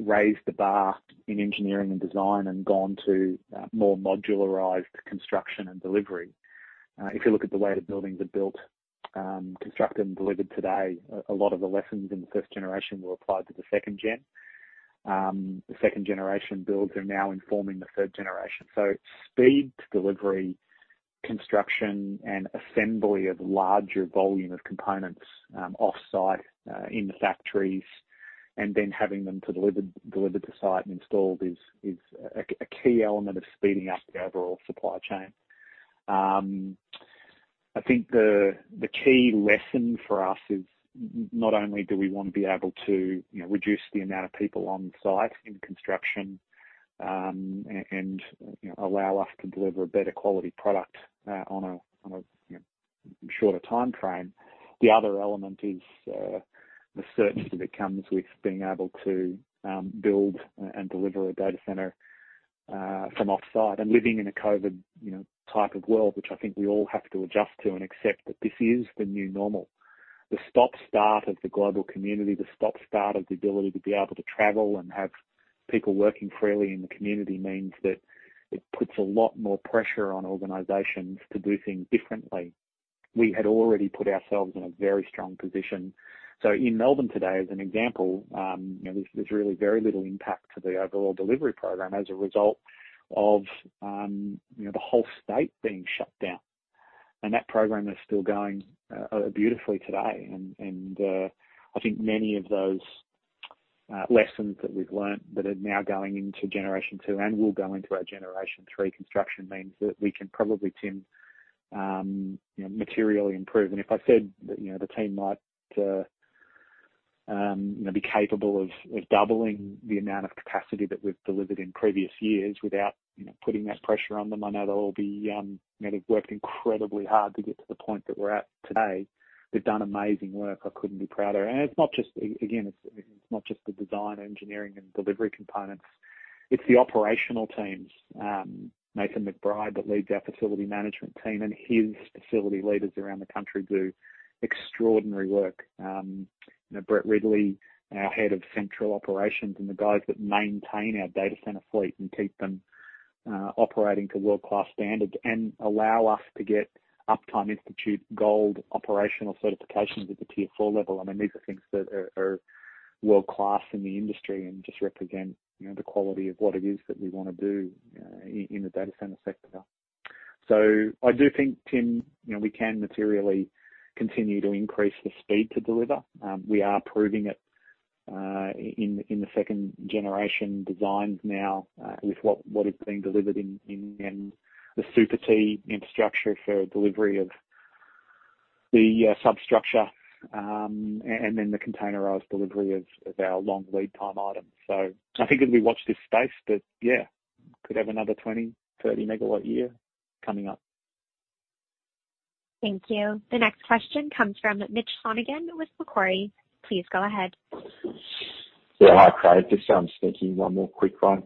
raised the bar in engineering and design and gone to more modularized construction and delivery. If you look at the way the buildings are built, constructed, and delivered today, a lot of the lessons in the first Generation were applied to the Generation 2. The Generation 2 builds are now informing the Generation 3. Speed to delivery, construction, and assembly of larger volume of components off-site, in the factories, and then having them delivered to site and installed is a key element of speeding up the overall supply chain. I think the key lesson for us is not only do we want to be able to reduce the amount of people on site in construction and allow us to deliver a better quality product on a shorter timeframe. The other element is the certainty that comes with being able to build and deliver a data center from offsite and living in a COVID-19 type of world, which I think we all have to adjust to and accept that this is the new normal. The stop-start of the global community, the stop-start of the ability to be able to travel and have people working freely in the community means that it puts a lot more pressure on organizations to do things differently. We had already put ourselves in a very strong position. In Melbourne today, as an example, there's really very little impact to the overall delivery program as a result of the whole state being shut down. That program is still going beautifully today. I think many of those lessons that we've learned that are now going into Generation 2 and will go into our Generation 3 construction means that we can probably, Tim, materially improve. If I said the team might be capable of doubling the amount of capacity that we've delivered in previous years without putting that pressure on them, I know they've worked incredibly hard to get to the point that we're at today. They've done amazing work. I couldn't be prouder. Again, it's not just the design, engineering, and delivery components. It's the operational teams. Nathan McBride, that leads our facility management team, and his facility leaders around the country do extraordinary work. Brett Ridley, our head of central operations, and the guys that maintain our data center fleet and keep them operating to world-class standards and allow us to get Uptime Institute Gold Operational Certifications at the Tier IV level. These are things that are world-class in the industry and just represent the quality of what it is that we want to do in the data center sector. I do think, Tim, we can materially continue to increase the speed to deliver. We are proving it in the second-generation designs now with what is being delivered in the Super Tier infrastructure for delivery of the substructure and then the containerized delivery of our long lead time items. I think as we watch this space that could have another 20 MW, 30 MW year coming up. Thank you. The next question comes from Mitch Sonogan with Macquarie. Please go ahead. Yeah. Hi, Craig. Just thinking one more quick one.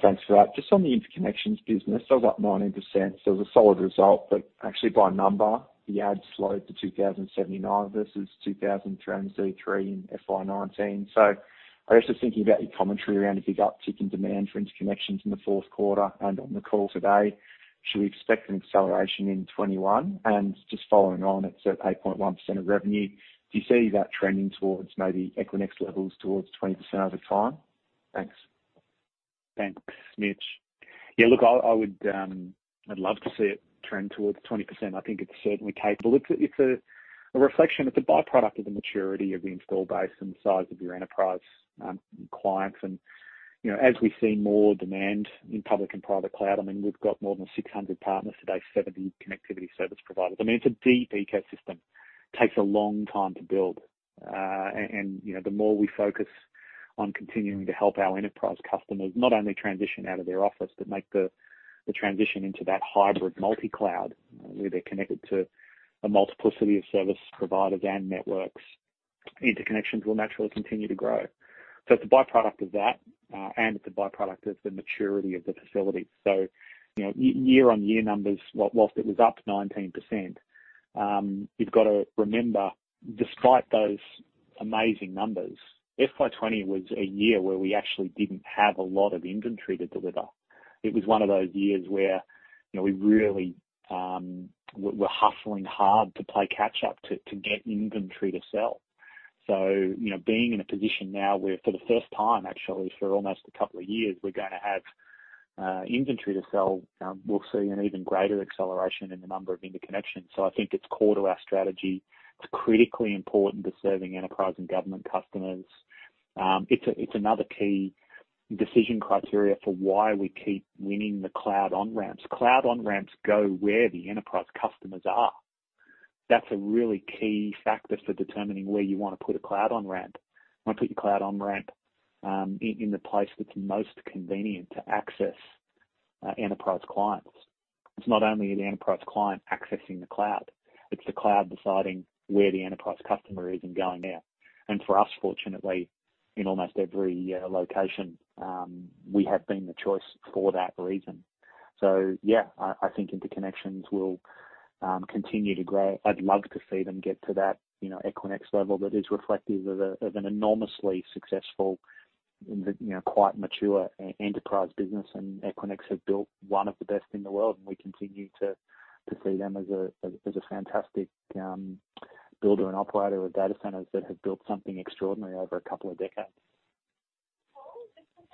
Thanks for that. Just on the interconnections business, up 19%, so it was a solid result, but actually by number, the adds slowed to 2,079 versus 2,303 in FY 2019. I guess just thinking about your commentary around a big uptick in demand for interconnections in the fourth quarter and on the call today, should we expect an acceleration in FY 2021? Just following on, it's at 8.1% of revenue. Do you see that trending towards maybe Equinix levels towards 20% over time? Thanks. Thanks, Mitch. Yeah, look, I'd love to see it trend towards 20%. I think it's certainly capable. It's a reflection. It's a by-product of the maturity of the install base and the size of your enterprise clients. As we see more demand in public and private cloud, we've got more than 600 partners today, 70 connectivity service providers. It's a deep ecosystem. Takes a long time to build. The more we focus on continuing to help our enterprise customers not only transition out of their office, but make the transition into that hybrid multi-cloud, where they're connected to a multiplicity of service providers and networks, interconnections will naturally continue to grow. It's a by-product of that, and it's a by-product of the maturity of the facility. Year-over-year numbers, whilst it was up 19%, you've got to remember, despite those amazing numbers, FY 2020 was a year where we actually didn't have a lot of inventory to deliver. It was one of those years where we really were hustling hard to play catch up to get inventory to sell. Being in a position now where for the first time, actually, for almost a couple of years, we're going to have inventory to sell, we'll see an even greater acceleration in the number of interconnections. I think it's core to our strategy. It's critically important to serving enterprise and government customers. It's another key decision criteria for why we keep winning the cloud on-ramps. Cloud on-ramps go where the enterprise customers are. That's a really key factor for determining where you want to put a cloud on-ramp. You want to put your cloud on-ramp in the place that's most convenient to access enterprise clients. It's not only the enterprise client accessing the cloud, it's the cloud deciding where the enterprise customer is and going there. For us, fortunately, in almost every location, we have been the choice for that reason. Yeah, I think interconnections will continue to grow. I'd love to see them get to that Equinix level that is reflective of an enormously successful, quite mature enterprise business. Equinix have built one of the best in the world, and we continue to see them as a fantastic builder and operator of data centers that have built something extraordinary over a couple of decades.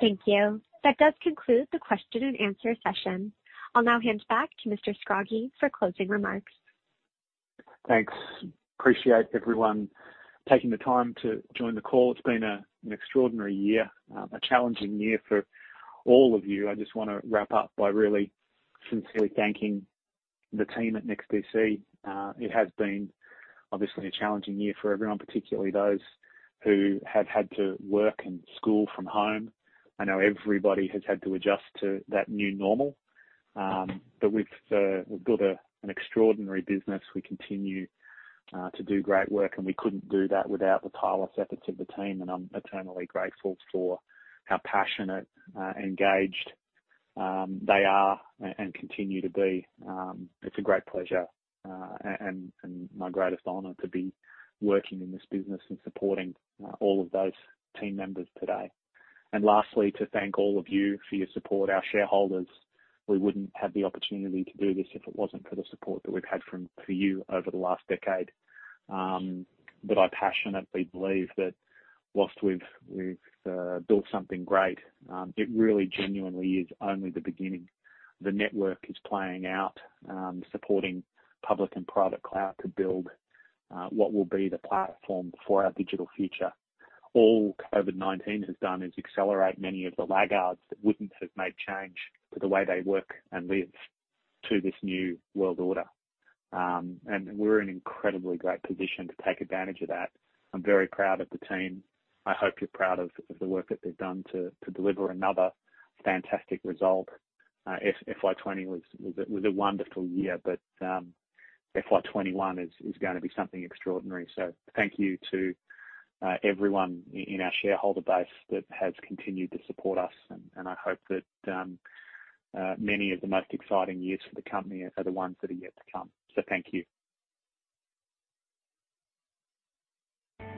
Thank you. That does conclude the question and answer session. I'll now hand back to Mr. Scroggie for closing remarks. Thanks. Appreciate everyone taking the time to join the call. It's been an extraordinary year, a challenging year for all of you. I just want to wrap up by really sincerely thanking the team at NEXTDC. It has been obviously a challenging year for everyone, particularly those who have had to work and school from home. I know everybody has had to adjust to that new normal. We've built an extraordinary business. We continue to do great work, and we couldn't do that without the tireless efforts of the team, and I'm eternally grateful for how passionate, engaged they are and continue to be. It's a great pleasure and my greatest honor to be working in this business and supporting all of those team members today. Lastly, to thank all of you for your support. Our shareholders, we wouldn't have the opportunity to do this if it wasn't for the support that we've had from you over the last decade. I passionately believe that whilst we've built something great, it really genuinely is only the beginning. The network is playing out, supporting public and private cloud to build what will be the platform for our digital future. All COVID-19 has done is accelerate many of the laggards that wouldn't have made change to the way they work and live to this new world order. We're in an incredibly great position to take advantage of that. I'm very proud of the team. I hope you're proud of the work that they've done to deliver another fantastic result. FY 2020 was a wonderful year. FY 2021 is going to be something extraordinary. Thank you to everyone in our shareholder base that has continued to support us, and I hope that many of the most exciting years for the company are the ones that are yet to come. Thank you.